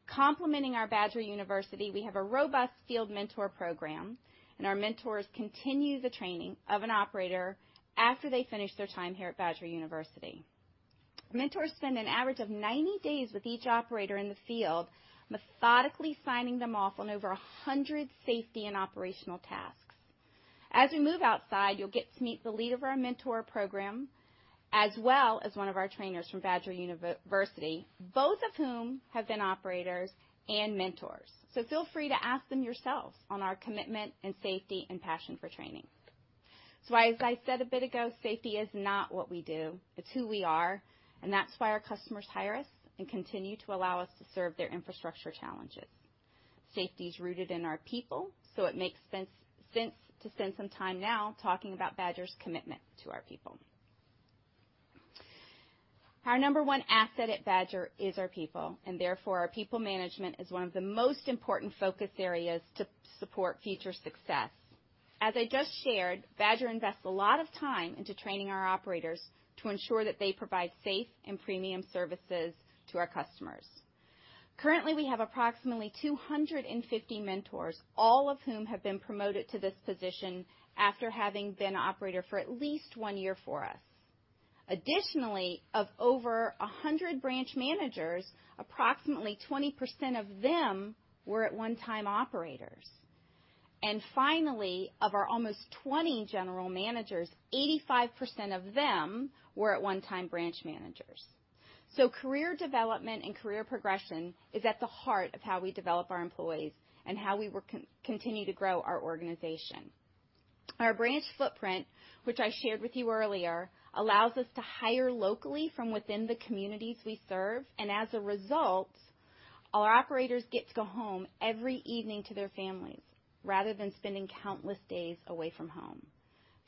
Complementing our Badger University, we have a robust field mentor program, and our mentors continue the training of an operator after they finish their time here at Badger University. Mentors spend an average of 90 days with each operator in the field, methodically signing them off on over 100 safety and operational tasks. As we move outside, you'll get to meet the lead of our mentor program, as well as one of our trainers from Badger University, both of whom have been operators and mentors. Feel free to ask them yourselves on our commitment and safety and passion for training. As I said a bit ago, safety is not what we do, it's who we are, and that's why our customers hire us and continue to allow us to serve their infrastructure challenges. Safety is rooted in our people, so it makes sense to spend some time now talking about Badger's commitment to our people. Our number one asset at Badger is our people, and therefore, our people management is one of the most important focus areas to support future success. As I just shared, Badger invests a lot of time into training our operators to ensure that they provide safe and premium services to our customers. Currently, we have approximately 250 mentors, all of whom have been promoted to this position after having been an operator for at least one year for us. Additionally, of over 100 branch managers, approximately 20% of them were at one-time operators. Finally, of our almost 20 general managers, 85% of them were at one-time branch managers. Career development and career progression is at the heart of how we develop our employees and how we continue to grow our organization. Our branch footprint, which I shared with you earlier, allows us to hire locally from within the communities we serve, and as a result, our operators get to go home every evening to their families rather than spending countless days away from home.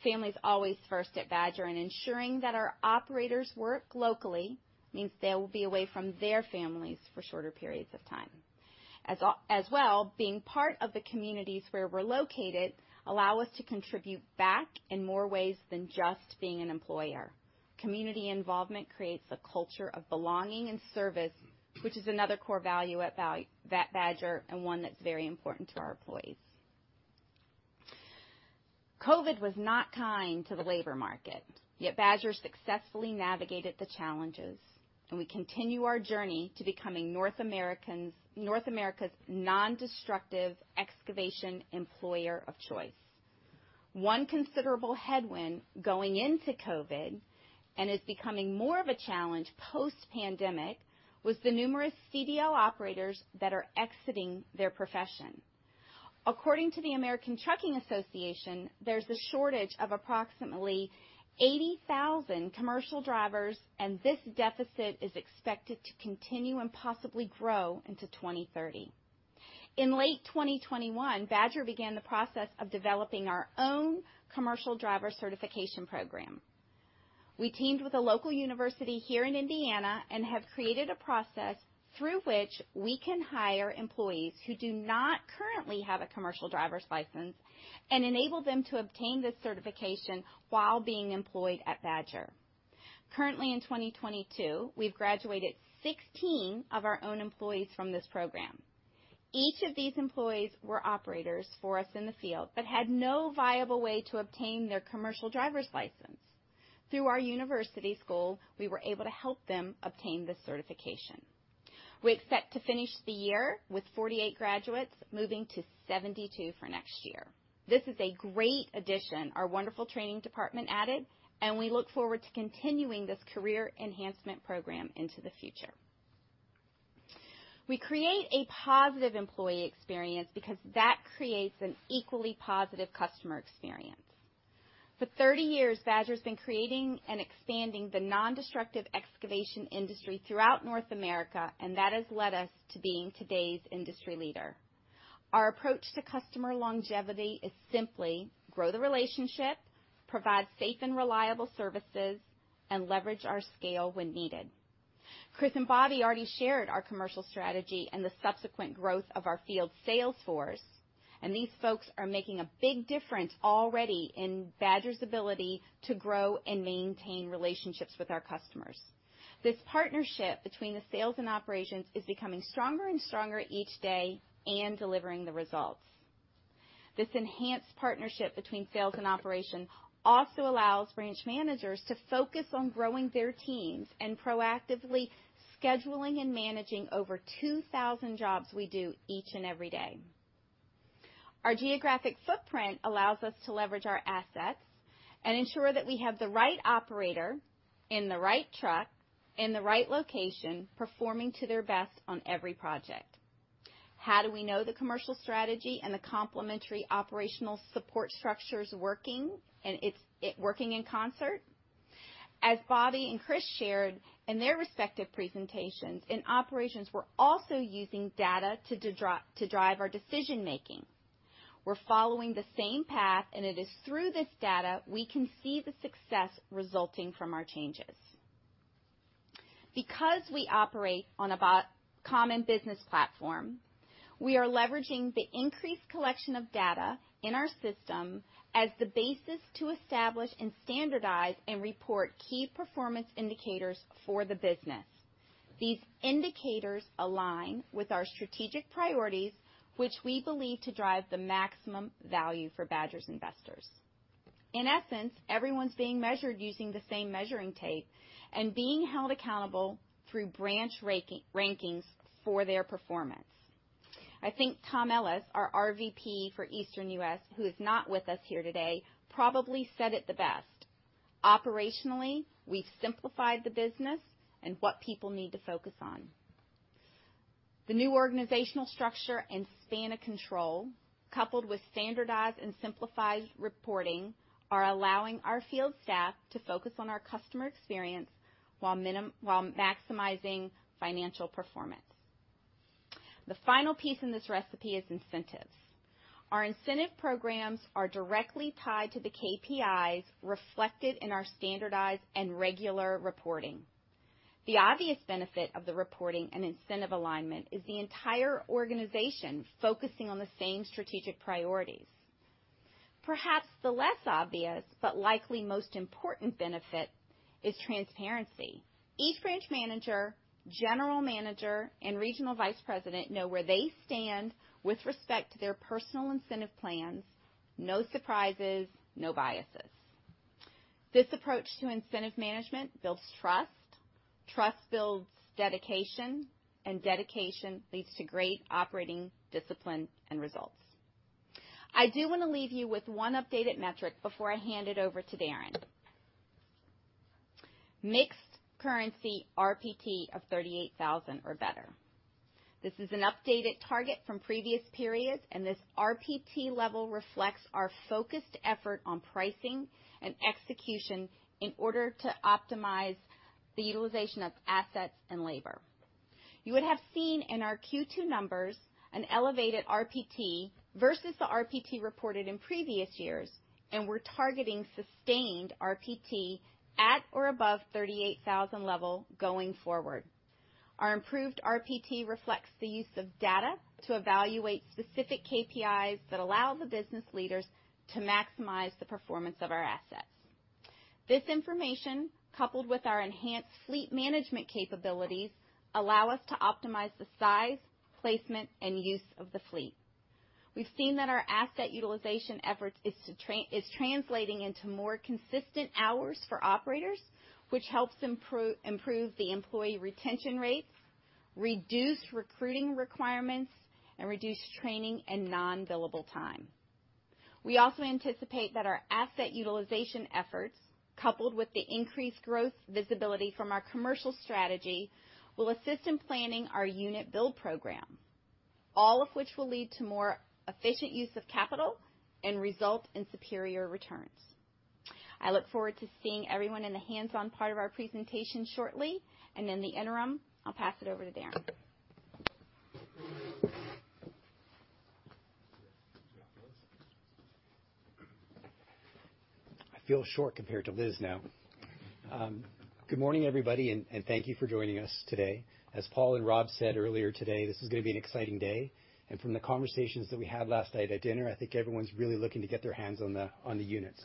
Family is always first at Badger, and ensuring that our operators work locally means they will be away from their families for shorter periods of time. As well, being part of the communities where we're located allow us to contribute back in more ways than just being an employer. Community involvement creates a culture of belonging and service, which is another core value at Badger, and one that's very important to our employees. COVID was not kind to the labor market, yet Badger successfully navigated the challenges, and we continue our journey to becoming North America's nondestructive excavation employer of choice. One considerable headwind going into COVID, and is becoming more of a challenge post pandemic, was the numerous CDL operators that are exiting their profession. According to the American Trucking Associations, there's a shortage of approximately 80,000 commercial drivers, and this deficit is expected to continue and possibly grow into 2030. In late 2021, Badger began the process of developing our own commercial driver certification program. We teamed with a local university here in Indiana and have created a process through which we can hire employees who do not currently have a commercial driver's license and enable them to obtain this certification while being employed at Badger. Currently in 2022, we've graduated 16 of our own employees from this program. Each of these employees were operators for us in the field, but had no viable way to obtain their commercial driver's license. Through our university school, we were able to help them obtain this certification. We expect to finish the year with 48 graduates, moving to 72 for next year. This is a great addition our wonderful training department added, and we look forward to continuing this career enhancement program into the future. We create a positive employee experience because that creates an equally positive customer experience. For 30 years, Badger's been creating and expanding the nondestructive excavation industry throughout North America, and that has led us to being today's industry leader. Our approach to customer longevity is simply grow the relationship, provide safe and reliable services, and leverage our scale when needed. Chris and Bobby already shared our commercial strategy and the subsequent growth of our field sales force, and these folks are making a big difference already in Badger's ability to grow and maintain relationships with our customers. This partnership between the sales and operations is becoming stronger and stronger each day and delivering the results. This enhanced partnership between sales and operation also allows branch managers to focus on growing their teams and proactively scheduling and managing over 2,000 jobs we do each and every day. Our geographic footprint allows us to leverage our assets and ensure that we have the right operator in the right truck in the right location, performing to their best on every project. How do we know the commercial strategy and the complementary operational support structure's working and it's working in concert? As Bobby and Chris shared in their respective presentations, in operations, we're also using data to drive our decision making. We're following the same path, and it is through this data we can see the success resulting from our changes. Because we operate on a common business platform, we are leveraging the increased collection of data in our system as the basis to establish and standardize and report key performance indicators for the business. These indicators align with our strategic priorities, which we believe to drive the maximum value for Badger's investors. In essence, everyone's being measured using the same measuring tape and being held accountable through branch rankings for their performance. I think Tom Ellis, our RVP for Eastern U.S., who is not with us here today, probably said it the best. Operationally, we've simplified the business and what people need to focus on. The new organizational structure and span of control, coupled with standardized and simplified reporting, are allowing our field staff to focus on our customer experience while maximizing financial performance. The final piece in this recipe is incentives. Our incentive programs are directly tied to the KPIs reflected in our standardized and regular reporting. The obvious benefit of the reporting and incentive alignment is the entire organization focusing on the same strategic priorities. Perhaps the less obvious, but likely most important benefit is transparency. Each branch manager, general manager, and regional vice president know where they stand with respect to their personal incentive plans. No surprises, no biases. This approach to incentive management builds trust. Trust builds dedication, and dedication leads to great operating discipline and results. I do wanna leave you with one updated metric before I hand it over to Darren. Mixed currency RPT of $38,000 or better. This is an updated target from previous periods, and this RPT level reflects our focused effort on pricing and execution in order to optimize the utilization of assets and labor. You would have seen in our Q2 numbers an elevated RPT versus the RPT reported in previous years, and we're targeting sustained RPT at or above $38,000 level going forward. Our improved RPT reflects the use of data to evaluate specific KPIs that allow the business leaders to maximize the performance of our assets. This information, coupled with our enhanced fleet management capabilities, allow us to optimize the size, placement, and use of the fleet. We've seen that our asset utilization efforts is translating into more consistent hours for operators, which helps improve the employee retention rates, reduce recruiting requirements and reduce training and non-billable time. We also anticipate that our asset utilization efforts, coupled with the increased growth visibility from our commercial strategy, will assist in planning our unit build program, all of which will lead to more efficient use of capital and result in superior returns. I look forward to seeing everyone in the hands-on part of our presentation shortly, and in the interim, I'll pass it over to Darren. I feel short compared to Liz now. Good morning, everybody, and thank you for joining us today. As Paul and Rob said earlier today, this is gonna be an exciting day. From the conversations that we had last night at dinner, I think everyone's really looking to get their hands on the unit.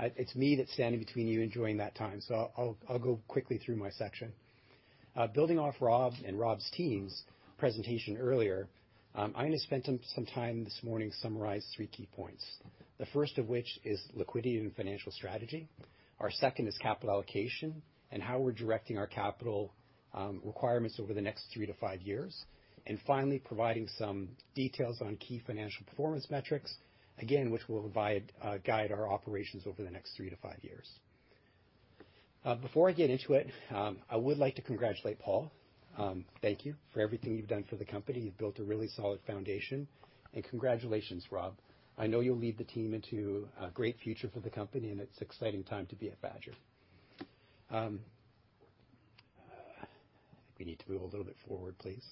It's me that's standing between you enjoying that time. I'll go quickly through my section. Building off Rob and Rob's team's presentation earlier, I'm gonna spend some time this morning to summarize three key points. The first of which is liquidity and financial strategy. Our second is capital allocation and how we're directing our capital requirements over the next three to five years. Finally, providing some details on key financial performance metrics, again, which will guide our operations over the next three to five years. Before I get into it, I would like to congratulate Paul. Thank you for everything you've done for the company. You've built a really solid foundation. Congratulations, Rob. I know you'll lead the team into a great future for the company, and it's exciting time to be at Badger. I think we need to move a little bit forward, please.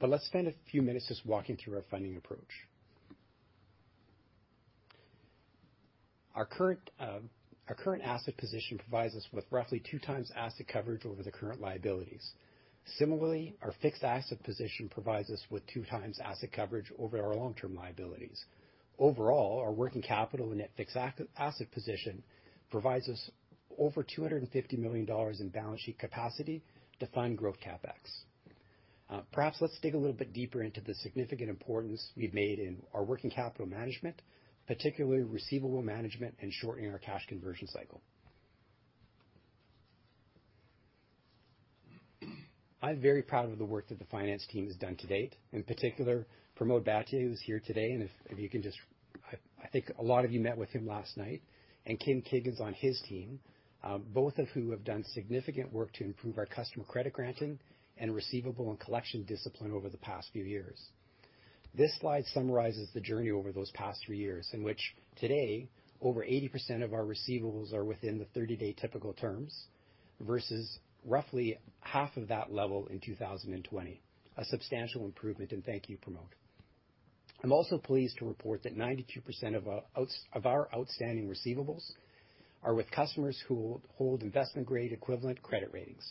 Let's spend a few minutes just walking through our funding approach. Our current asset position provides us with roughly 2x asset coverage over the current liabilities. Similarly, our fixed asset position provides us with 2x asset coverage over our long-term liabilities. Overall, our working capital and net fixed asset position provides us over $250 million in balance sheet capacity to fund growth CapEx. Perhaps let's dig a little bit deeper into the significant improvements we've made in our working capital management, particularly receivable management and shortening our cash conversion cycle. I'm very proud of the work that the finance team has done to date. In particular, Pramod Bhatia, who's here today, and I think a lot of you met with him last night, and Kim Kiggins on his team, both of who have done significant work to improve our customer credit granting and receivable and collection discipline over the past few years. This slide summarizes the journey over those past three years in which today, over 80% of our receivables are within the 30-day typical terms, versus roughly half of that level in 2020. Substantial improvement, and thank you, Pramod. I'm also pleased to report that 92% of our outstanding receivables are with customers who hold investment-grade equivalent credit ratings.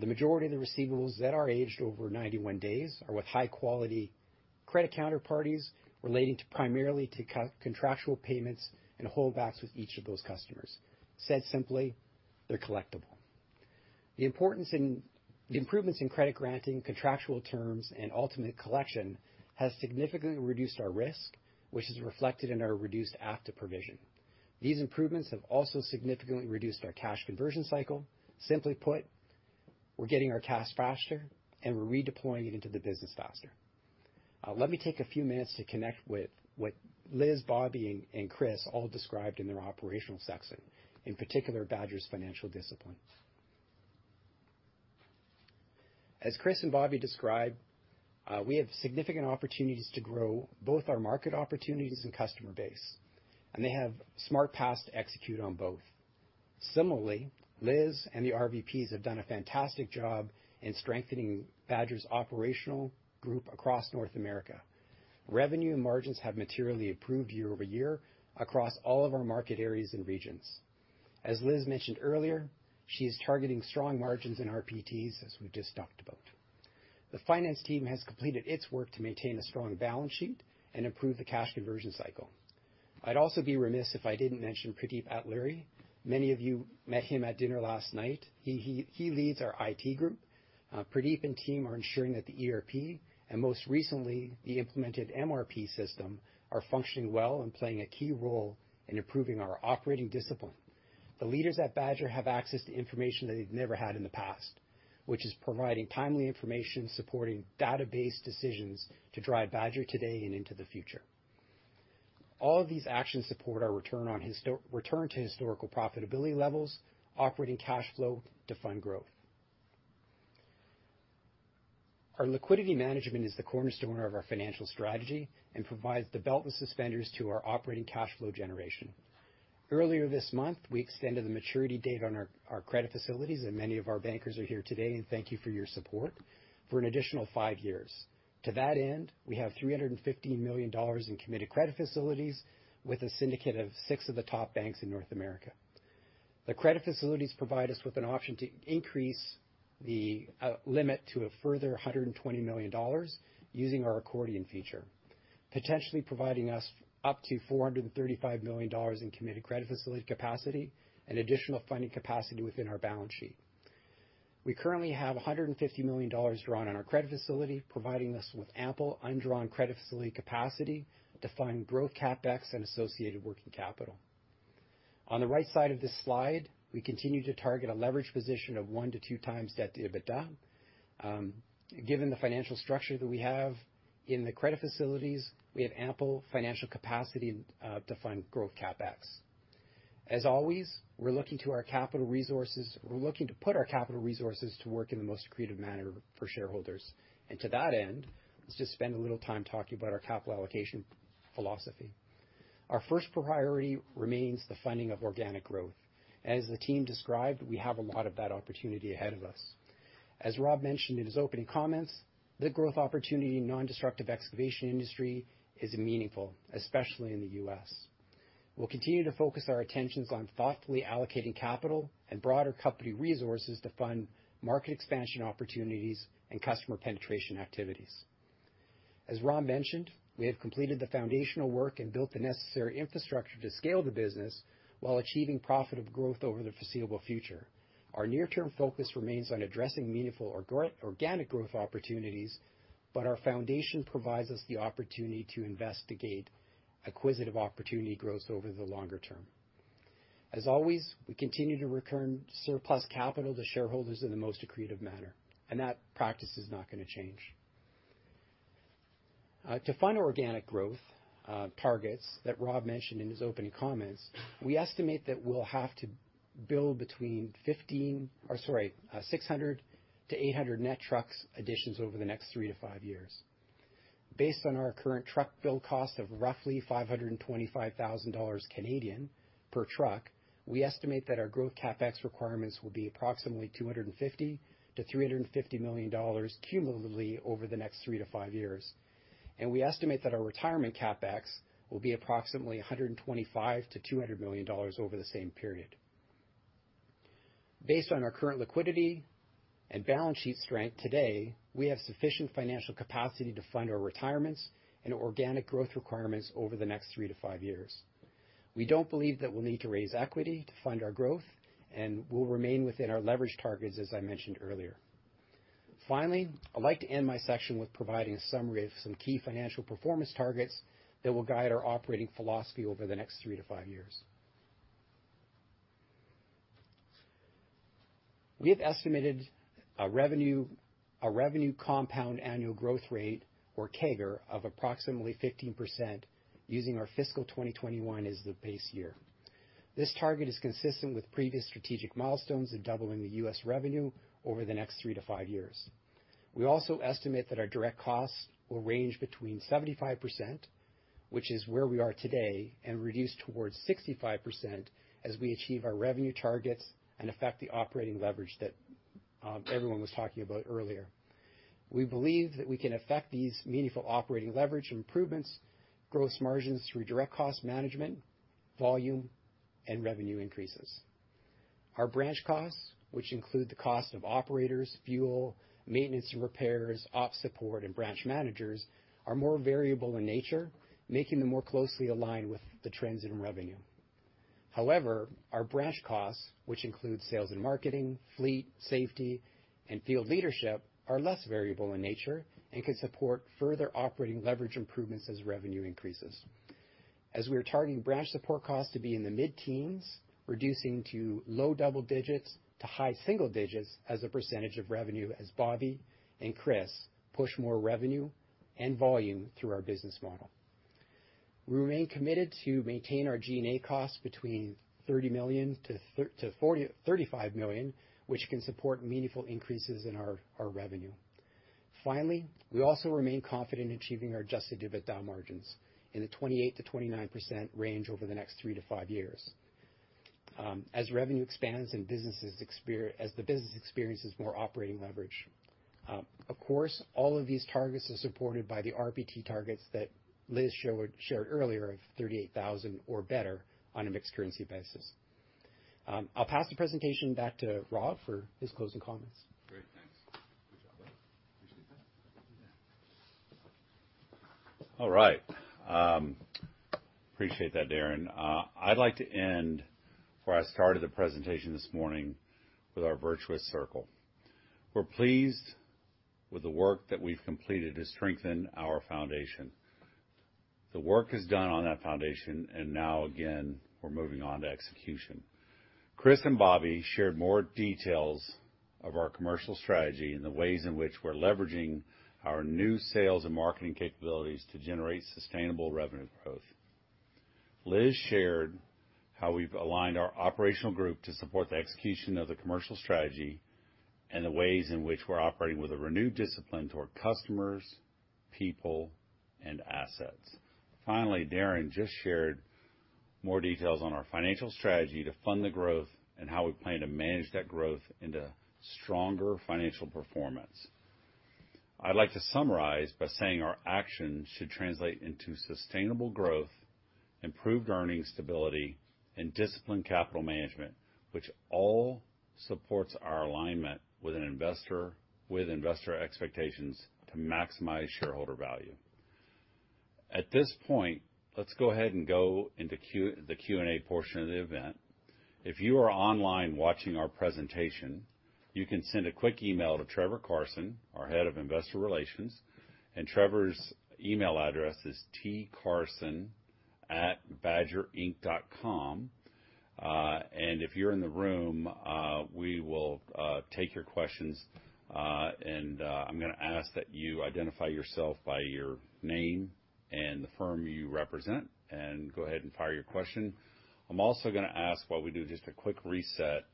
The majority of the receivables that are aged over 91 days are with high-quality credit counterparties relating primarily to co-contractual payments and holdbacks with each of those customers. Said simply, they're collectible. The improvements in credit granting, contractual terms, and ultimate collection has significantly reduced our risk, which is reflected in our reduced after provision. These improvements have also significantly reduced our cash conversion cycle. Simply put, we're getting our cash faster, and we're redeploying it into the business faster. Let me take a few minutes to connect with what Liz, Bobby, and Chris all described in their operational section, in particular, Badger's financial discipline. As Chris and Bobby described, we have significant opportunities to grow both our market opportunities and customer base, and they have smart paths to execute on both. Similarly, Liz and the RVPs have done a fantastic job in strengthening Badger's operational group across North America. Revenue and margins have materially improved year-over-year across all of our market areas and regions. As Liz mentioned earlier, she is targeting strong margins in RPTs, as we've just talked about. The finance team has completed its work to maintain a strong balance sheet and improve the cash conversion cycle. I'd also be remiss if I didn't mention Pradeep Atluri. Many of you met him at dinner last night. He leads our IT group. Pradeep and team are ensuring that the ERP, and most recently, the implemented MRP system, are functioning well and playing a key role in improving our operating discipline. The leaders at Badger have access to information that they've never had in the past, which is providing timely information, supporting data-based decisions to drive Badger today and into the future. All of these actions support our return to historical profitability levels, operating cash flow to fund growth. Our liquidity management is the cornerstone of our financial strategy and provides the belt and suspenders to our operating cash flow generation. Earlier this month, we extended the maturity date on our credit facilities, and many of our bankers are here today, and thank you for your support, for an additional five years. To that end, we have $350 million in committed credit facilities with a syndicate of six of the top banks in North America. The credit facilities provide us with an option to increase the limit to a further $120 million using our accordion feature, potentially providing us up to $435 million in committed credit facility capacity and additional funding capacity within our balance sheet. We currently have $150 million drawn on our credit facility, providing us with ample undrawn credit facility capacity to fund growth CapEx and associated working capital. On the right side of this slide, we continue to target a leverage position of 1x-2x debt to EBITDA. Given the financial structure that we have in the credit facilities, we have ample financial capacity to fund growth CapEx. We're looking to put our capital resources to work in the most accretive manner for shareholders. To that end, let's just spend a little time talking about our capital allocation philosophy. Our first priority remains the funding of organic growth. As the team described, we have a lot of that opportunity ahead of us. As Rob mentioned in his opening comments, the growth opportunity in nondestructive excavation industry is meaningful, especially in the U.S. We'll continue to focus our attentions on thoughtfully allocating capital and broader company resources to fund market expansion opportunities and customer penetration activities. As Rob mentioned, we have completed the foundational work and built the necessary infrastructure to scale the business while achieving profitable growth over the foreseeable future. Our near-term focus remains on addressing meaningful organic growth opportunities, but our foundation provides us the opportunity to investigate acquisitive opportunity growth over the longer term. As always, we continue to return surplus capital to shareholders in the most accretive manner, and that practice is not gonna change. To find organic growth targets that Rob mentioned in his opening comments, we estimate that we'll have to build 600 to 800 net truck additions over the next three to five years. Based on our current truck build cost of roughly 525,000 Canadian dollars per truck, we estimate that our growth CapEx requirements will be approximately $250 million-$350 million cumulatively over the next three to five years. We estimate that our retirement CapEx will be approximately $125 million-$200 million over the same period. Based on our current liquidity and balance sheet strength today, we have sufficient financial capacity to fund our retirements and organic growth requirements over the next three to five years. We don't believe that we'll need to raise equity to fund our growth, and we'll remain within our leverage targets, as I mentioned earlier. Finally, I'd like to end my section with providing a summary of some key financial performance targets that will guide our operating philosophy over the next three to five years. We have estimated a revenue compound annual growth rate, or CAGR, of approximately 15% using our fiscal 2021 as the base year. This target is consistent with previous strategic milestones in doubling the U.S. revenue over the next three to five years. We estimate that our direct costs will range between 75%, which is where we are today, and reduce towards 65% as we achieve our revenue targets and affect the operating leverage that everyone was talking about earlier. We believe that we can affect these meaningful operating leverage improvements, gross margins through direct cost management, volume, and revenue increases. Our branch costs, which include the cost of operators, fuel, maintenance and repairs, op support, and branch managers, are more variable in nature, making them more closely aligned with the trends in revenue. However, our branch costs, which include sales and marketing, fleet, safety, and field leadership, are less variable in nature and can support further operating leverage improvements as revenue increases. We are targeting branch support costs to be in the mid-teens, reducing to low double digits to high single digits as a percentage of revenue as Bobby and Chris push more revenue and volume through our business model. We remain committed to maintain our G&A costs between $30 million-$35 million, which can support meaningful increases in our revenue. Finally, we also remain confident in achieving our adjusted EBITDA margins in the 28%-29% range over the next three to five years, as revenue expands and the business experiences more operating leverage. Of course, all of these targets are supported by the RPT targets that Liz shared earlier of $38,000 or better on a mixed currency basis. I'll pass the presentation back to Rob for his closing comments. Great. Thanks. Good job, buddy. Appreciate that. All right. Appreciate that, Darren. I'd like to end where I started the presentation this morning with our Virtuous Circle. We're pleased with the work that we've completed to strengthen our foundation. The work is done on that foundation, and now again, we're moving on to execution. Chris and Bobby shared more details of our commercial strategy and the ways in which we're leveraging our new sales and marketing capabilities to generate sustainable revenue growth. Liz shared how we've aligned our operational group to support the execution of the commercial strategy and the ways in which we're operating with a renewed discipline toward customers, people, and assets. Finally, Darren just shared more details on our financial strategy to fund the growth and how we plan to manage that growth into stronger financial performance. I'd like to summarize by saying our actions should translate into sustainable growth, improved earnings stability, and disciplined capital management, which all supports our alignment with investor expectations to maximize shareholder value. At this point, let's go ahead and go into the Q&A portion of the event. If you are online watching our presentation, you can send a quick email to Trevor Carson, our head of Investor Relations, and Trevor's email address is tcarson@badgerinc.com. If you're in the room, we will take your questions. I'm gonna ask that you identify yourself by your name and the firm you represent, and go ahead and fire your question. I'm also gonna ask while we do just a quick reset,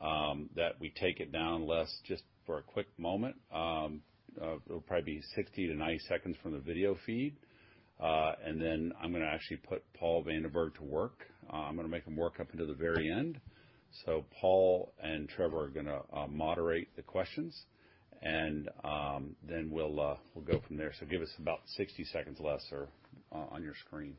that we take it down, Les, just for a quick moment. It'll probably be 60-90 seconds from the video feed. Then I'm gonna actually put Paul Vanderberg to work. I'm gonna make him work up until the very end. Paul and Trevor are gonna moderate the questions, and then we'll go from there. Give us about 60 seconds, Les, or on your screen.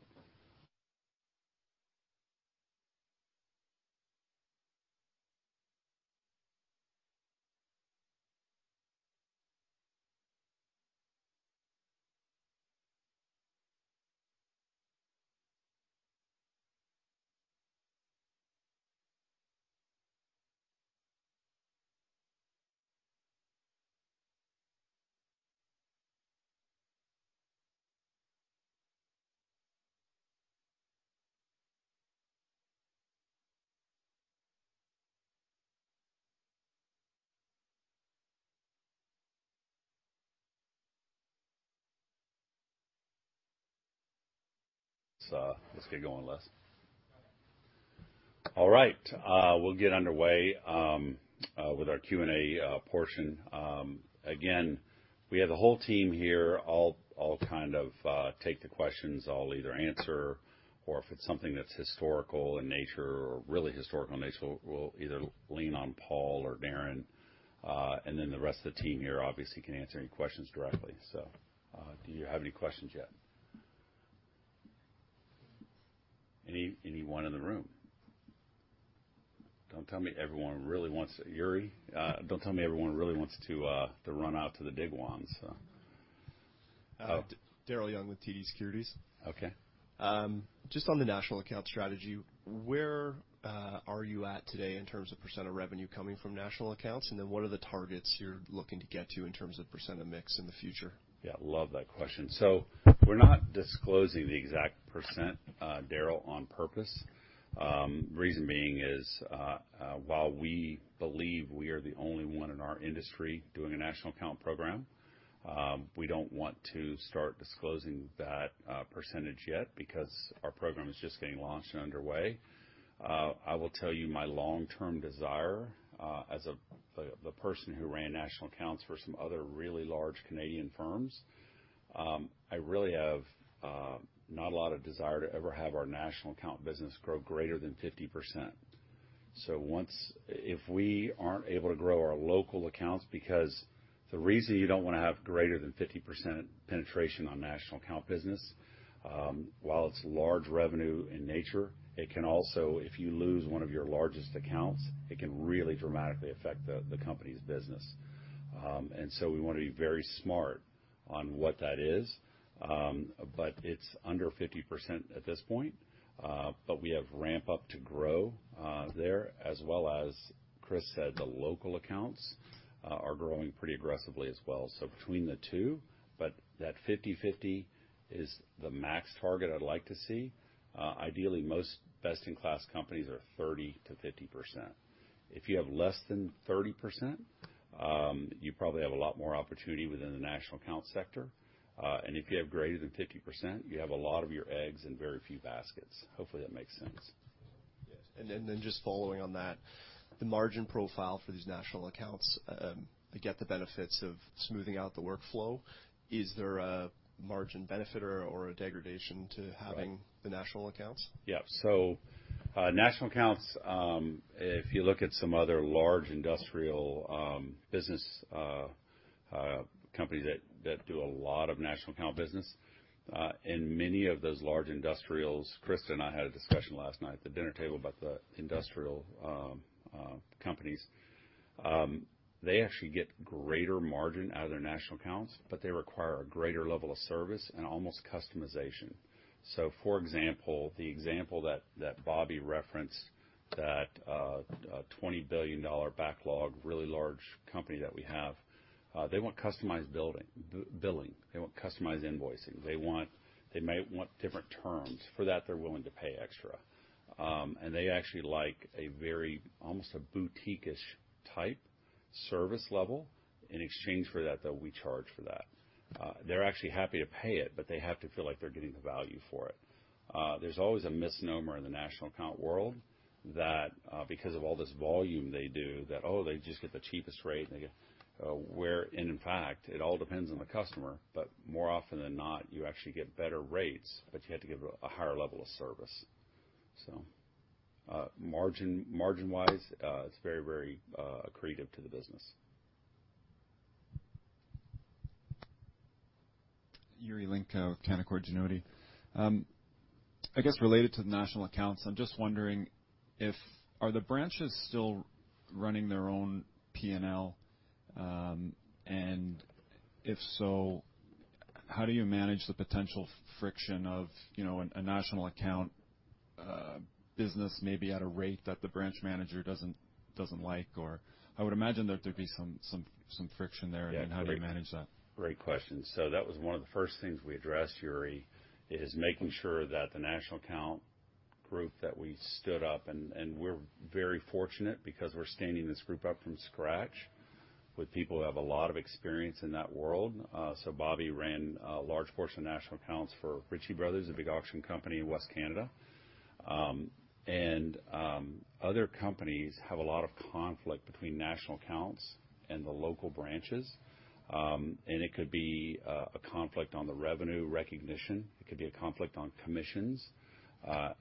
Let's get going, Les. All right. We'll get underway with our Q&A portion. Again, we have the whole team here. I'll kind of take the questions. I'll either answer or if it's something that's historical in nature or really historical in nature, we'll either lean on Paul or Darren. Then the rest of the team here obviously can answer any questions directly. Do you have any questions yet? Anyone in the room? Don't tell me everyone really wants, Yuri, don't tell me everyone really wants to run out to the big ones. Daryl Young with TD Securities. Okay. Just on the national account strategy, where are you at today in terms of % of revenue coming from national accounts? Then what are the targets you're looking to get to in terms of % of mix in the future? Yeah, love that question. We're not disclosing the exact percent, Daryl, on purpose. Reason being is, while we believe we are the only one in our industry doing a national account program, we don't want to start disclosing that percentage yet because our program is just getting launched and underway. I will tell you my long-term desire, as the person who ran national accounts for some other really large Canadian firms, I really have not a lot of desire to ever have our national account business grow greater than 50%. If we aren't able to grow our local accounts because the reason you don't wanna have greater than 50% penetration on national account business, while it's large revenue in nature, it can also, if you lose one of your largest accounts, it can really dramatically affect the company's business. We wanna be very smart on what that is. It's under 50% at this point. We have ramp up to grow there, as well as Chris said, the local accounts are growing pretty aggressively as well. Between the two. That 50/50 is the max target I'd like to see. Ideally, most best-in-class companies are 30%-50%. If you have less than 30%, you probably have a lot more opportunity within the national account sector. If you have greater than 50%, you have a lot of your eggs in very few baskets. Hopefully that makes sense. Yes. Just following on that, the margin profile for these national accounts, they get the benefits of smoothing out the workflow. Is there a margin benefit or a degradation to having- Right. the national accounts? Yeah. National accounts, if you look at some other large industrial business companies that do a lot of national account business, and many of those large industrials, Chris and I had a discussion last night at the dinner table about the industrial companies. They actually get greater margin out of their national accounts, but they require a greater level of service and almost customization. For example, the example that Bobby referenced that, a $20 billion backlog, really large company that we have, they want customized billing. They want customized invoicing. They want. They may want different terms. For that, they're willing to pay extra. They actually like a very almost a boutique-ish type service level. In exchange for that, though, we charge for that. They're actually happy to pay it, but they have to feel like they're getting the value for it. There's always a misnomer in the national account world that, because of all this volume they do, they just get the cheapest rate. Where in fact, it all depends on the customer, but more often than not, you actually get better rates, but you have to give a higher level of service. Margin-wise, it's very, very accretive to the business. Yuri Lynk, Canaccord Genuity. I guess related to the national accounts, I'm just wondering, are the branches still running their own P&L? If so, how do you manage the potential friction of, you know, a national account business maybe at a rate that the branch manager doesn't like? I would imagine there have to be some friction there. Yeah. How do you manage that? Great question. That was one of the first things we addressed, Yuri, is making sure that the national account group that we stood up, and we're very fortunate because we're standing this group up from scratch with people who have a lot of experience in that world. Bobby ran a large portion of national accounts for Ritchie Bros., a big auction company in Western Canada. Other companies have a lot of conflict between national accounts and the local branches. It could be a conflict on the revenue recognition, it could be a conflict on commissions,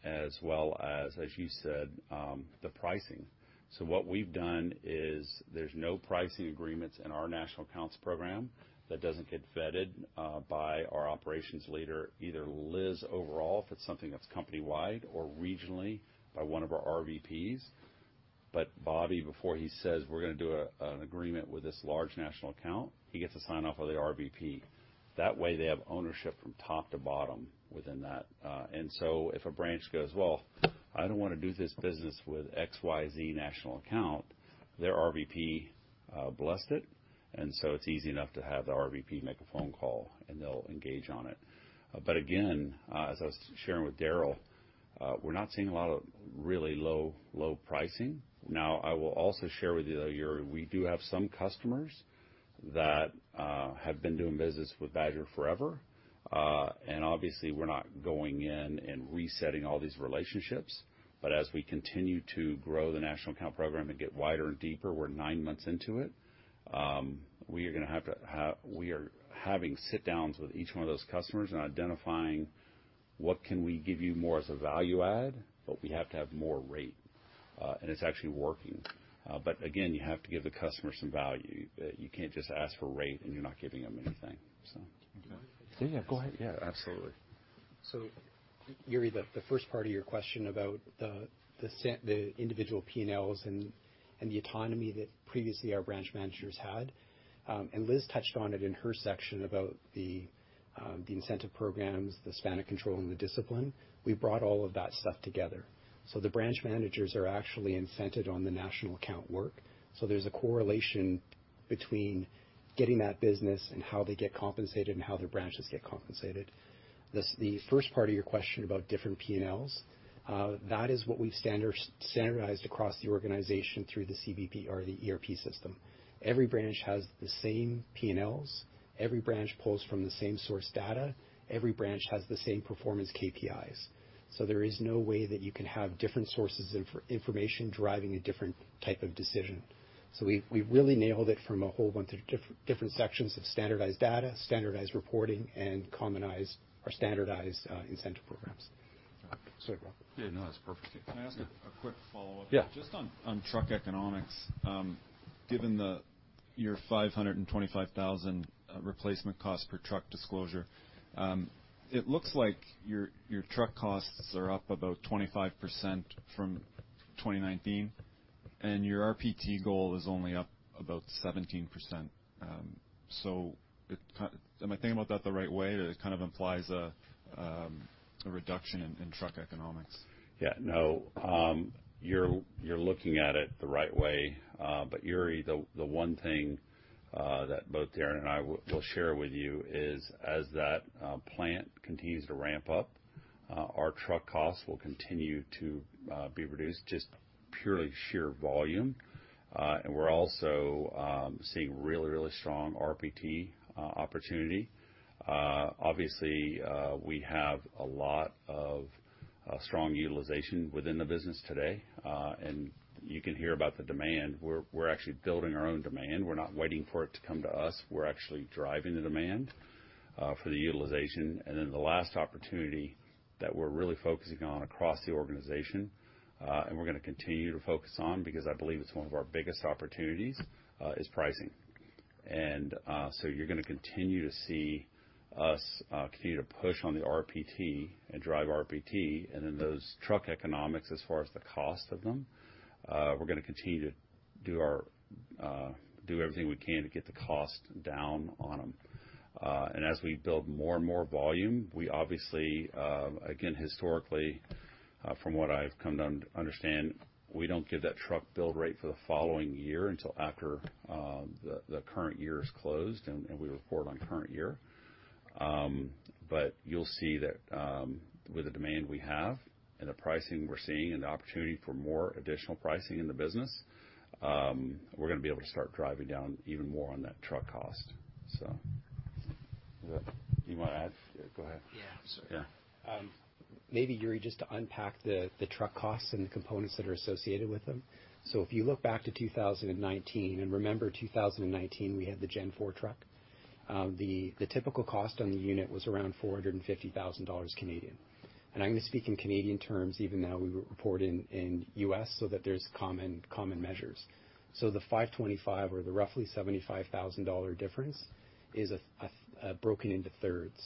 as well as you said, the pricing. What we've done is there's no pricing agreements in our national accounts program that doesn't get vetted by our operations leader, either Liz overall, if it's something that's company-wide or regionally by one of our RVPs. Bobby, before he says, "We're gonna do an agreement with this large national account," he gets a sign-off for the RVP. That way, they have ownership from top to bottom within that. If a branch goes, "Well, I don't wanna do this business with XYZ national account," their RVP blessed it, and it's easy enough to have the RVP make a phone call, and they'll engage on it. As I was sharing with Daryl, we're not seeing a lot of really low pricing. Now, I will also share with you, though, Yuri, we do have some customers that have been doing business with Badger forever. Obviously, we're not going in and resetting all these relationships. As we continue to grow the national account program and get wider and deeper, we're nine months into it, we are having sit-downs with each one of those customers and identifying what can we give you more as a value add, but we have to have more rate, and it's actually working. Again, you have to give the customer some value. You can't just ask for rate and you're not giving them anything. Okay. Yeah. Go ahead. Yeah, absolutely. Yuri, the first part of your question about the individual P&Ls and the autonomy that previously our branch managers had, and Liz touched on it in her section about the incentive programs, the span of control, and the discipline. We brought all of that stuff together. The branch managers are actually incented on the national account work. There's a correlation between getting that business and how they get compensated and how their branches get compensated. The first part of your question about different P&Ls, that is what we've standardized across the organization through the CBP or the ERP system. Every branch has the same P&Ls. Every branch pulls from the same source data. Every branch has the same performance KPIs. There is no way that you can have different sources of information driving a different type of decision. We really nailed it from a whole bunch of different sections of standardized data, standardized reporting, and commonized or standardized incentive programs. Sorry, Bob. Yeah, no, that's perfect. Can I ask a quick follow-up? Yeah. Just on truck economics. Given your 525,000 replacement cost per truck disclosure, it looks like your truck costs are up about 25% from 2019, and your RPT goal is only up about 17%. Am I thinking about that the right way? That kind of implies a reduction in truck economics. Yeah. No. You're looking at it the right way. Yuri, the one thing that both Darren and I will share with you is as that plant continues to ramp up, our truck costs will continue to be reduced just purely sheer volume. We're also seeing really strong RPT opportunity. Obviously, we have a lot of strong utilization within the business today. You can hear about the demand. We're actually building our own demand. We're not waiting for it to come to us. We're actually driving the demand for the utilization. The last opportunity that we're really focusing on across the organization, and we're gonna continue to focus on because I believe it's one of our biggest opportunities, is pricing. You're gonna continue to see us continue to push on the RPT and drive RPT. Then those truck economics, as far as the cost of them, we're gonna continue to do everything we can to get the cost down on them. As we build more and more volume, we obviously, again, historically, from what I've come down to understand, we don't give that truck build rate for the following year until after the current year is closed and we report on current year. You'll see that with the demand we have and the pricing we're seeing and the opportunity for more additional pricing in the business, we're gonna be able to start driving down even more on that truck cost, so. Do you wanna add? Yeah, go ahead. Yeah. Sorry. Yeah. Maybe, Yuri, just to unpack the truck costs and the components that are associated with them. If you look back to 2019, and remember, 2019, we had the Gen4 truck. The typical cost on the unit was around 450,000 Canadian dollars. I'm gonna speak in Canadian terms, even though we report in U.S., so that there's common measures. The 525,000 or the roughly 75,000 dollar difference is broken into thirds.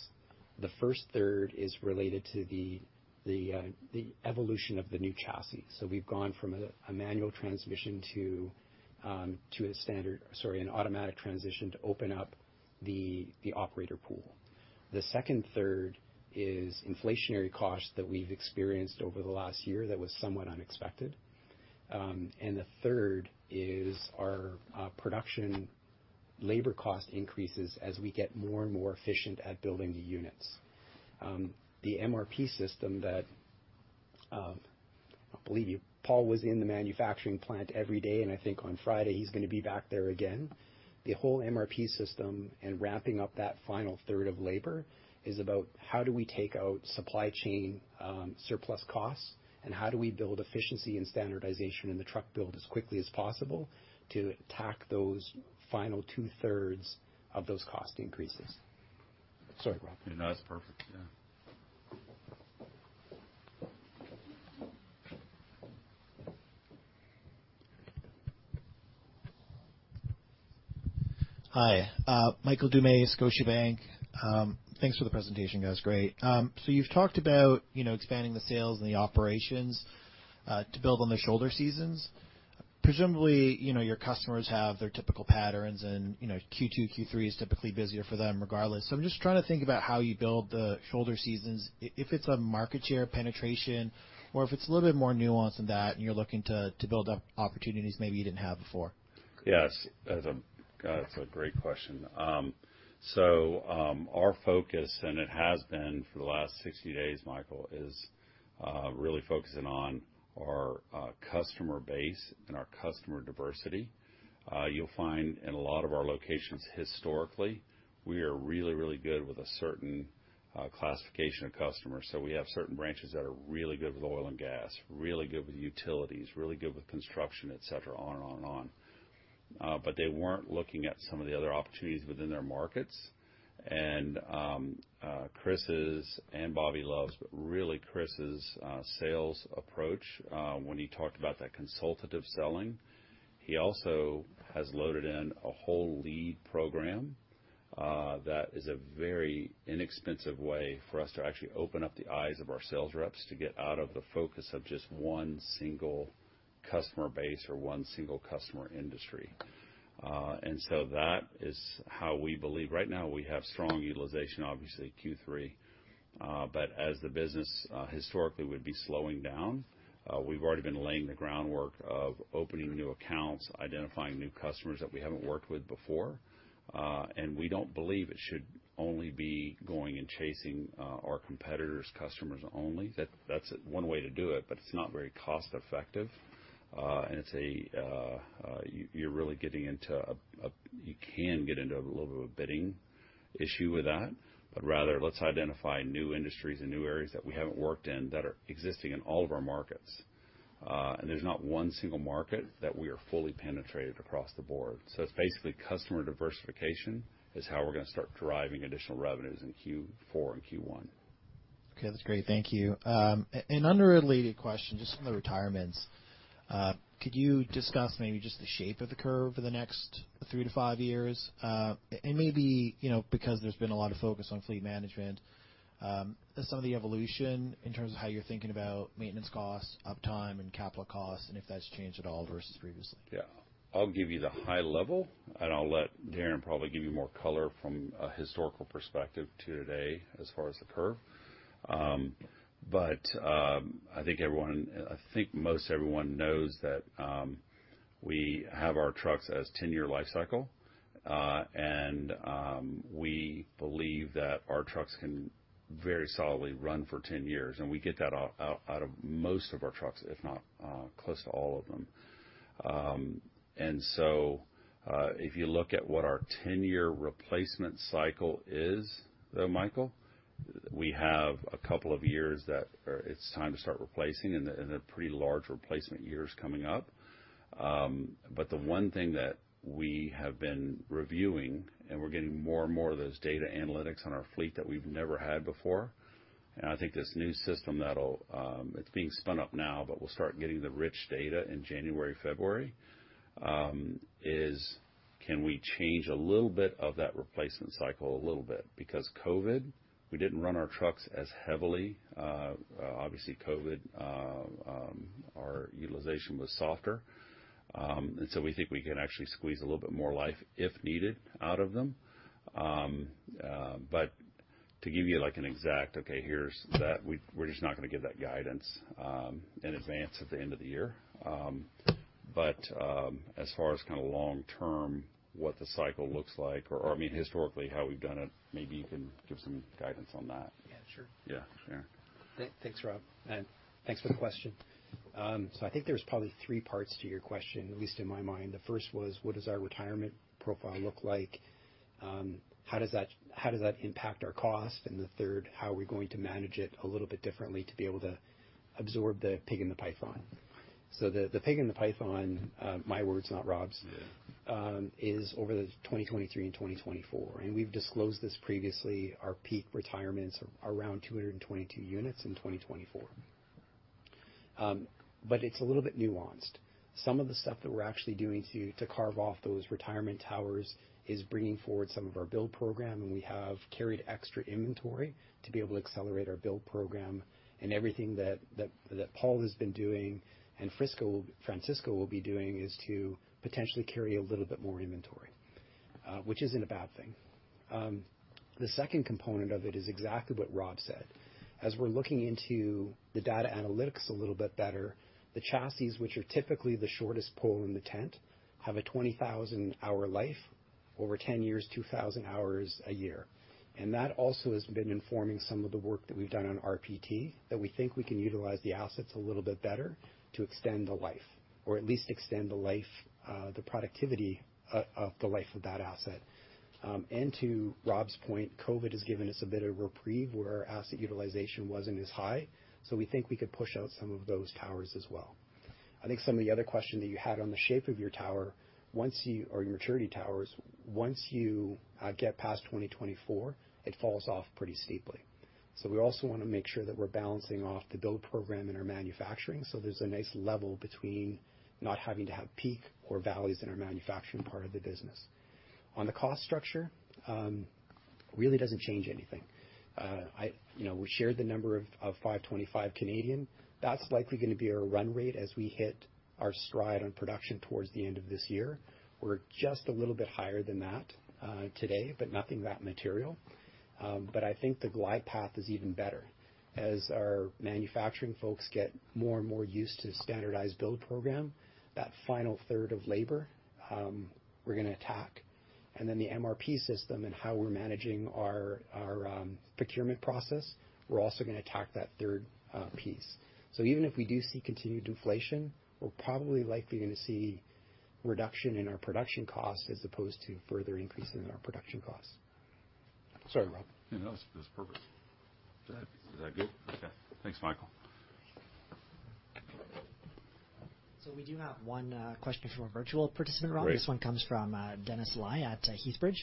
The first third is related to the evolution of the new chassis. We've gone from a manual transmission to an automatic transmission to open up the operator pool. The second third is inflationary costs that we've experienced over the last year that was somewhat unexpected. The third is our production labor cost increases as we get more and more efficient at building the units. The MRP system that I believe you, Paul was in the manufacturing plant every day, and I think on Friday, he's gonna be back there again. The whole MRP system and ramping up that final third of labor is about how do we take out supply chain surplus costs, and how do we build efficiency and standardization in the truck build as quickly as possible to attack those final 2/3 of those cost increases. Sorry, Rob. No, that's perfect. Yeah. Hi. Michael Doumet, Scotiabank. Thanks for the presentation. That was great. You've talked about, you know, expanding the sales and the operations, to build on the shoulder seasons. Presumably, you know, your customers have their typical patterns and, you know, Q2, Q3 is typically busier for them regardless. I'm just trying to think about how you build the shoulder seasons if it's a market share penetration or if it's a little bit more nuanced than that and you're looking to build up opportunities maybe you didn't have before. Yes. That's a great question. Our focus, and it has been for the last 60 days, Michael, is really focusing on our customer base and our customer diversity. You'll find in a lot of our locations historically, we are really, really good with a certain classification of customers. We have certain branches that are really good with oil and gas, really good with utilities, really good with construction, et cetera, on and on and on. But they weren't looking at some of the other opportunities within their markets. Chris's and Bobby Love's, but really Chris's, sales approach, when he talked about that consultative selling, he also has loaded in a whole lead program, that is a very inexpensive way for us to actually open up the eyes of our sales reps to get out of the focus of just one single customer base or one single customer industry. That is how we believe. Right now, we have strong utilization, obviously, Q3. As the business historically would be slowing down, we've already been laying the groundwork of opening new accounts, identifying new customers that we haven't worked with before. We don't believe it should only be going and chasing our competitors' customers only. That's one way to do it, but it's not very cost-effective. You can get into a little bit of a bidding issue with that. Rather, let's identify new industries and new areas that we haven't worked in that are existing in all of our markets. There's not one single market that we are fully penetrated across the board. It's basically customer diversification is how we're gonna start driving additional revenues in Q4 and Q1. Okay, that's great. Thank you. An unrelated question, just on the retirements. Could you discuss maybe just the shape of the curve for the next three to five years? Maybe, you know, because there's been a lot of focus on fleet management, some of the evolution in terms of how you're thinking about maintenance costs, uptime, and capital costs, and if that's changed at all versus previously. Yeah. I'll give you the high level, and I'll let Darren probably give you more color from a historical perspective to today as far as the curve. I think most everyone knows that we have our trucks as 10-year life cycle, and we believe that our trucks can very solidly run for 10 years, and we get that out of most of our trucks, if not close to all of them. If you look at what our 10-year replacement cycle is though, Michael, we have a couple of years that are. It's time to start replacing and a pretty large replacement year is coming up. The one thing that we have been reviewing, and we're getting more and more of those data analytics on our fleet that we've never had before, and I think this new system that's being spun up now, but we'll start getting the rich data in January, February, is, can we change a little bit of that replacement cycle a little bit? Because COVID, we didn't run our trucks as heavily. Obviously COVID, our utilization was softer. We think we can actually squeeze a little bit more life, if needed, out of them. We're just not gonna give that guidance in advance at the end of the year. As far as kinda long-term, what the cycle looks like or, I mean, historically, how we've done it, maybe you can give some guidance on that. Yeah, sure. Yeah. Darren. Thanks, Rob, and thanks for the question. I think there's probably three parts to your question, at least in my mind. The first was, what does our retirement profile look like? How does that impact our cost? And the third, how are we going to manage it a little bit differently to be able to absorb the pig in the python? The pig in the python, my words, not Rob's. Yeah is over the 2023 and 2024. We've disclosed this previously. Our peak retirements are around 222 units in 2024. It's a little bit nuanced. Some of the stuff that we're actually doing to carve off those retirement towers is bringing forward some of our build program, and we have carried extra inventory to be able to accelerate our build program and everything that Paul has been doing and Francisco will be doing is to potentially carry a little bit more inventory, which isn't a bad thing. The second component of it is exactly what Rob said. As we're looking into the data analytics a little bit better, the chassis, which are typically the shortest pole in the tent, have a 20,000-hour life over 10 years, 2,000 hours a year. That also has been informing some of the work that we've done on RPT, that we think we can utilize the assets a little bit better to extend the life or at least the productivity of the life of that asset. To Rob's point, COVID has given us a bit of reprieve where our asset utilization wasn't as high. We think we could push out some of those towers as well. I think some of the other question that you had on the shape of your tower, once you or your 30 towers, once you get past 2024, it falls off pretty steeply. We also wanna make sure that we're balancing off the build program in our manufacturing so there's a nice level between not having to have peak or valleys in our manufacturing part of the business. On the cost structure, really doesn't change anything. You know, we shared the number of 525,000. That's likely gonna be our run rate as we hit our stride on production towards the end of this year. We're just a little bit higher than that today, but nothing that material. I think the glide path is even better. As our manufacturing folks get more and more used to the standardized build program, that final third of labor, we're gonna attack. Then the MRP system and how we're managing our procurement process, we're also gonna attack that third piece. Even if we do see continued deflation, we're probably likely gonna see reduction in our production cost as opposed to further increase in our production costs. Sorry, Rob. No, that's perfect. Is that good? Okay. Thanks, Michael. We do have one question from a virtual participant, Rob. Great. This one comes from Dennis Ly at Heathbridge.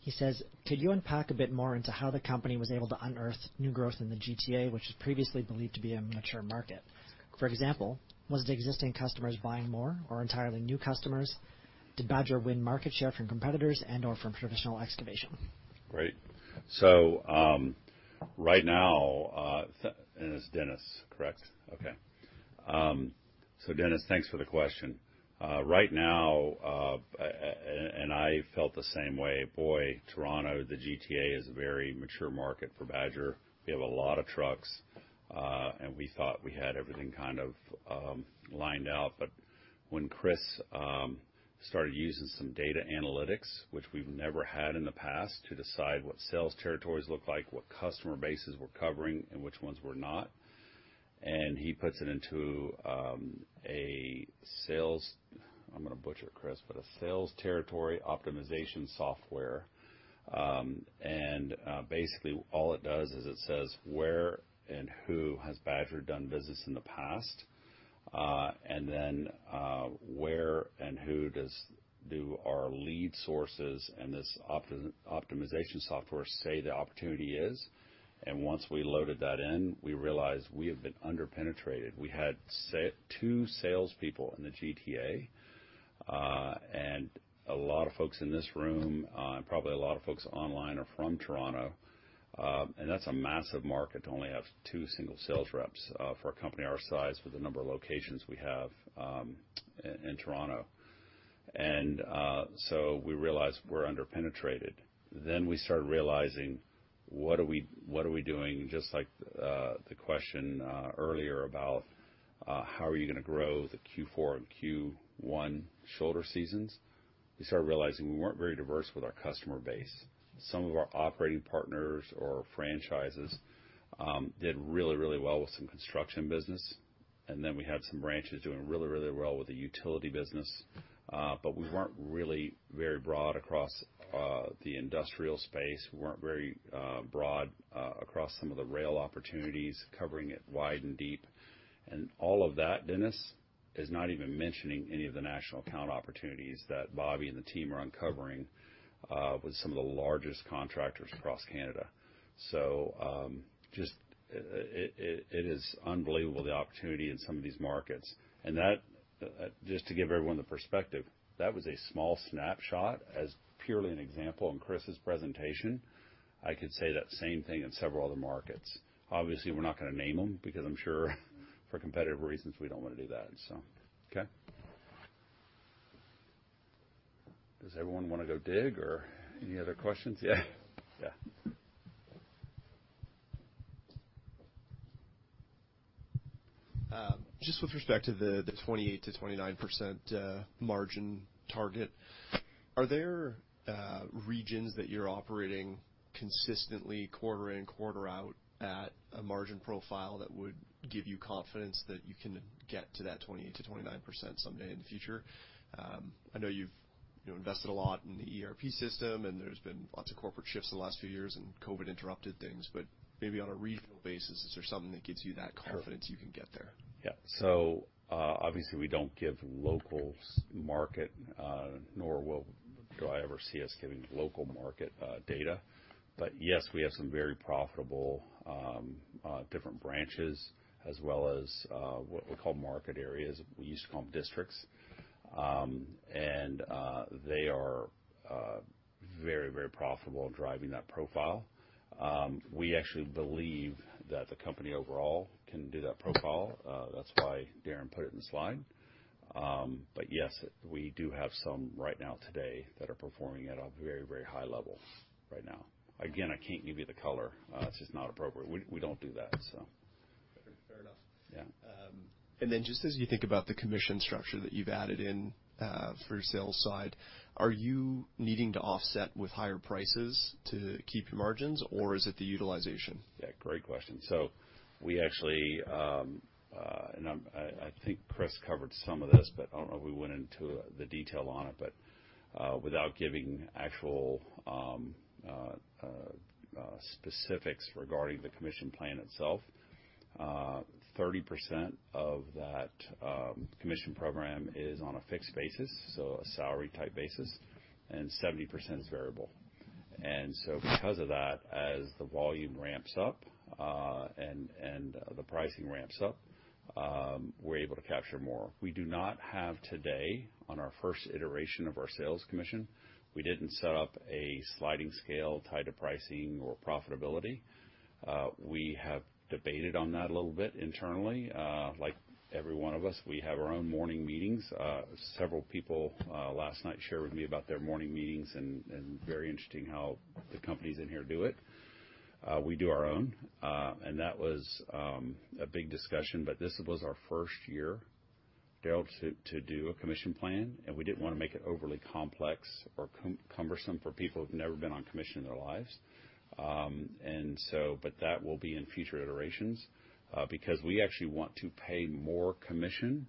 He says, "Could you unpack a bit more into how the company was able to unearth new growth in the GTA, which was previously believed to be a mature market? For example, was the existing customers buying more or entirely new customers? Did Badger win market share from competitors and/or from traditional excavation? Great. Right now, and it's Dennis, correct? Okay. Dennis, thanks for the question. Right now, and I felt the same way. Boy, Toronto, the GTA is a very mature market for Badger. We have a lot of trucks, and we thought we had everything kind of lined out. But when Chris started using some data analytics, which we've never had in the past, to decide what sales territories look like, what customer bases we're covering and which ones we're not, and he puts it into, I'm gonna butcher it, Chris, but a sales territory optimization software. Basically all it does is it says where and who has Badger done business in the past, and then where and who do our lead sources and this optimization software say the opportunity is. Once we loaded that in, we realized we have been under-penetrated. We had two sales people in the GTA, and a lot of folks in this room, and probably a lot of folks online are from Toronto, and that's a massive market to only have two single sales reps, for a company our size with the number of locations we have, in Toronto. We realized we're under-penetrated. We started realizing what are we, what are we doing, just like, the question, earlier about, how are you gonna grow the Q4 and Q1 shoulder seasons. We started realizing we weren't very diverse with our customer base. Some of our operating partners or franchises, did really, really well with some construction business. We had some branches doing really, really well with the utility business. We weren't really very broad across the industrial space. We weren't very broad across some of the rail opportunities, covering it wide and deep. All of that, Dennis, is not even mentioning any of the national account opportunities that Bobby and the team are uncovering with some of the largest contractors across Canada. It is unbelievable the opportunity in some of these markets. That, just to give everyone the perspective, was a small snapshot as purely an example in Chris's presentation. I could say that same thing in several other markets. Obviously, we're not gonna name them because I'm sure for competitive reasons, we don't wanna do that. Okay. Does everyone wanna go dig or any other questions? Yeah. Yeah. Just with respect to the 28%-29% margin target, are there regions that you're operating consistently quarter in, quarter out at a margin profile that would give you confidence that you can get to that 28%-29% someday in the future? I know you've, you know, invested a lot in the ERP system, and there's been lots of corporate shifts in the last few years, and COVID interrupted things. Maybe on a regional basis, is there something that gives you that confidence you can get there? Yeah. Obviously, we don't give local market, nor will I ever see us giving local market data. Yes, we have some very profitable different branches as well as what we call market areas. We used to call them districts. They are very, very profitable driving that profile. We actually believe that the company overall can do that profile. That's why Darren put it in the slide. Yes, we do have some right now today that are performing at a very, very high level right now. Again, I can't give you the color. It's just not appropriate. We don't do that. Fair enough. Yeah. Just as you think about the commission structure that you've added in, for your sales side, are you needing to offset with higher prices to keep your margins, or is it the utilization? Yeah, great question. We actually, and I think Chris covered some of this, I don't know if we went into the detail on it. Without giving actual specifics regarding the commission plan itself, 30% of that commission program is on a fixed basis, so a salary-type basis, and 70% is variable. Because of that, as the volume ramps up, and the pricing ramps up, we're able to capture more. We do not have today on our first iteration of our sales commission, we didn't set up a sliding scale tied to pricing or profitability. We have debated on that a little bit internally. Like every one of us, we have our own morning meetings. Several people last night shared with me about their morning meetings and very interesting how the companies in here do it. We do our own, and that was a big discussion. This was our first year, Daryl, to do a commission plan, and we didn't wanna make it overly complex or cumbersome for people who've never been on commission in their lives. That will be in future iterations, because we actually want to pay more commission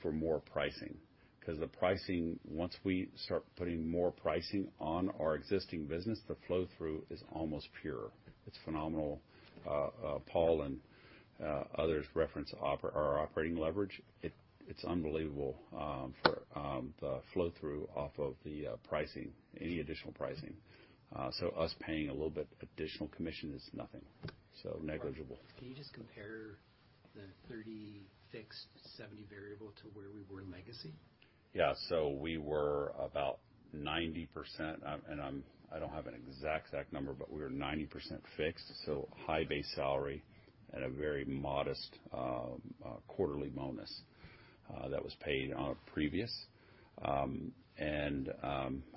for more pricing. 'Cause the pricing, once we start putting more pricing on our existing business, the flow-through is almost pure. It's phenomenal. Paul and others reference our operating leverage. It's unbelievable for the flow-through off of the pricing, any additional pricing. Us paying a little bit additional commission is nothing, so negligible. Can you just compare the 30 fixed 70 variable to where we were in legacy? Yeah. We were about 90%. I don't have an exact number, but we were 90% fixed, so high base salary and a very modest quarterly bonus that was paid on a previous. A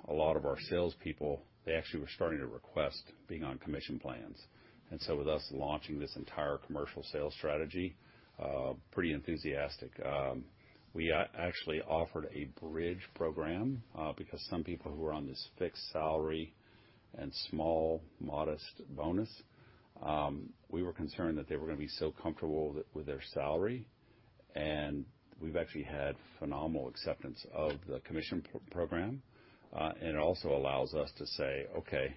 lot of our salespeople actually were starting to request being on commission plans. With us launching this entire commercial sales strategy, pretty enthusiastic. We actually offered a bridge program because some people who were on this fixed salary and small, modest bonus, we were concerned that they were gonna be so comfortable with their salary. We've actually had phenomenal acceptance of the commission program. It also allows us to say, "Okay,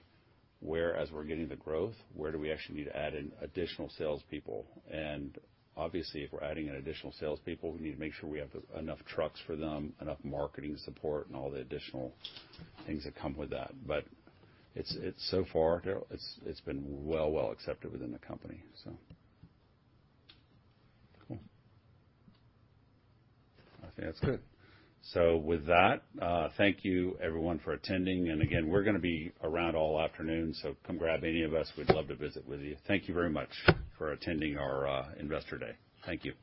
whereas we're getting the growth, where do we actually need to add in additional salespeople?" Obviously, if we're adding in additional salespeople, we need to make sure we have enough trucks for them, enough marketing support, and all the additional things that come with that. It's so far, Daryl, it's been well accepted within the company. Cool. I think that's good. With that, thank you everyone for attending. Again, we're gonna be around all afternoon, so come grab any of us. We'd love to visit with you. Thank you very much for attending our Investor Day. Thank you.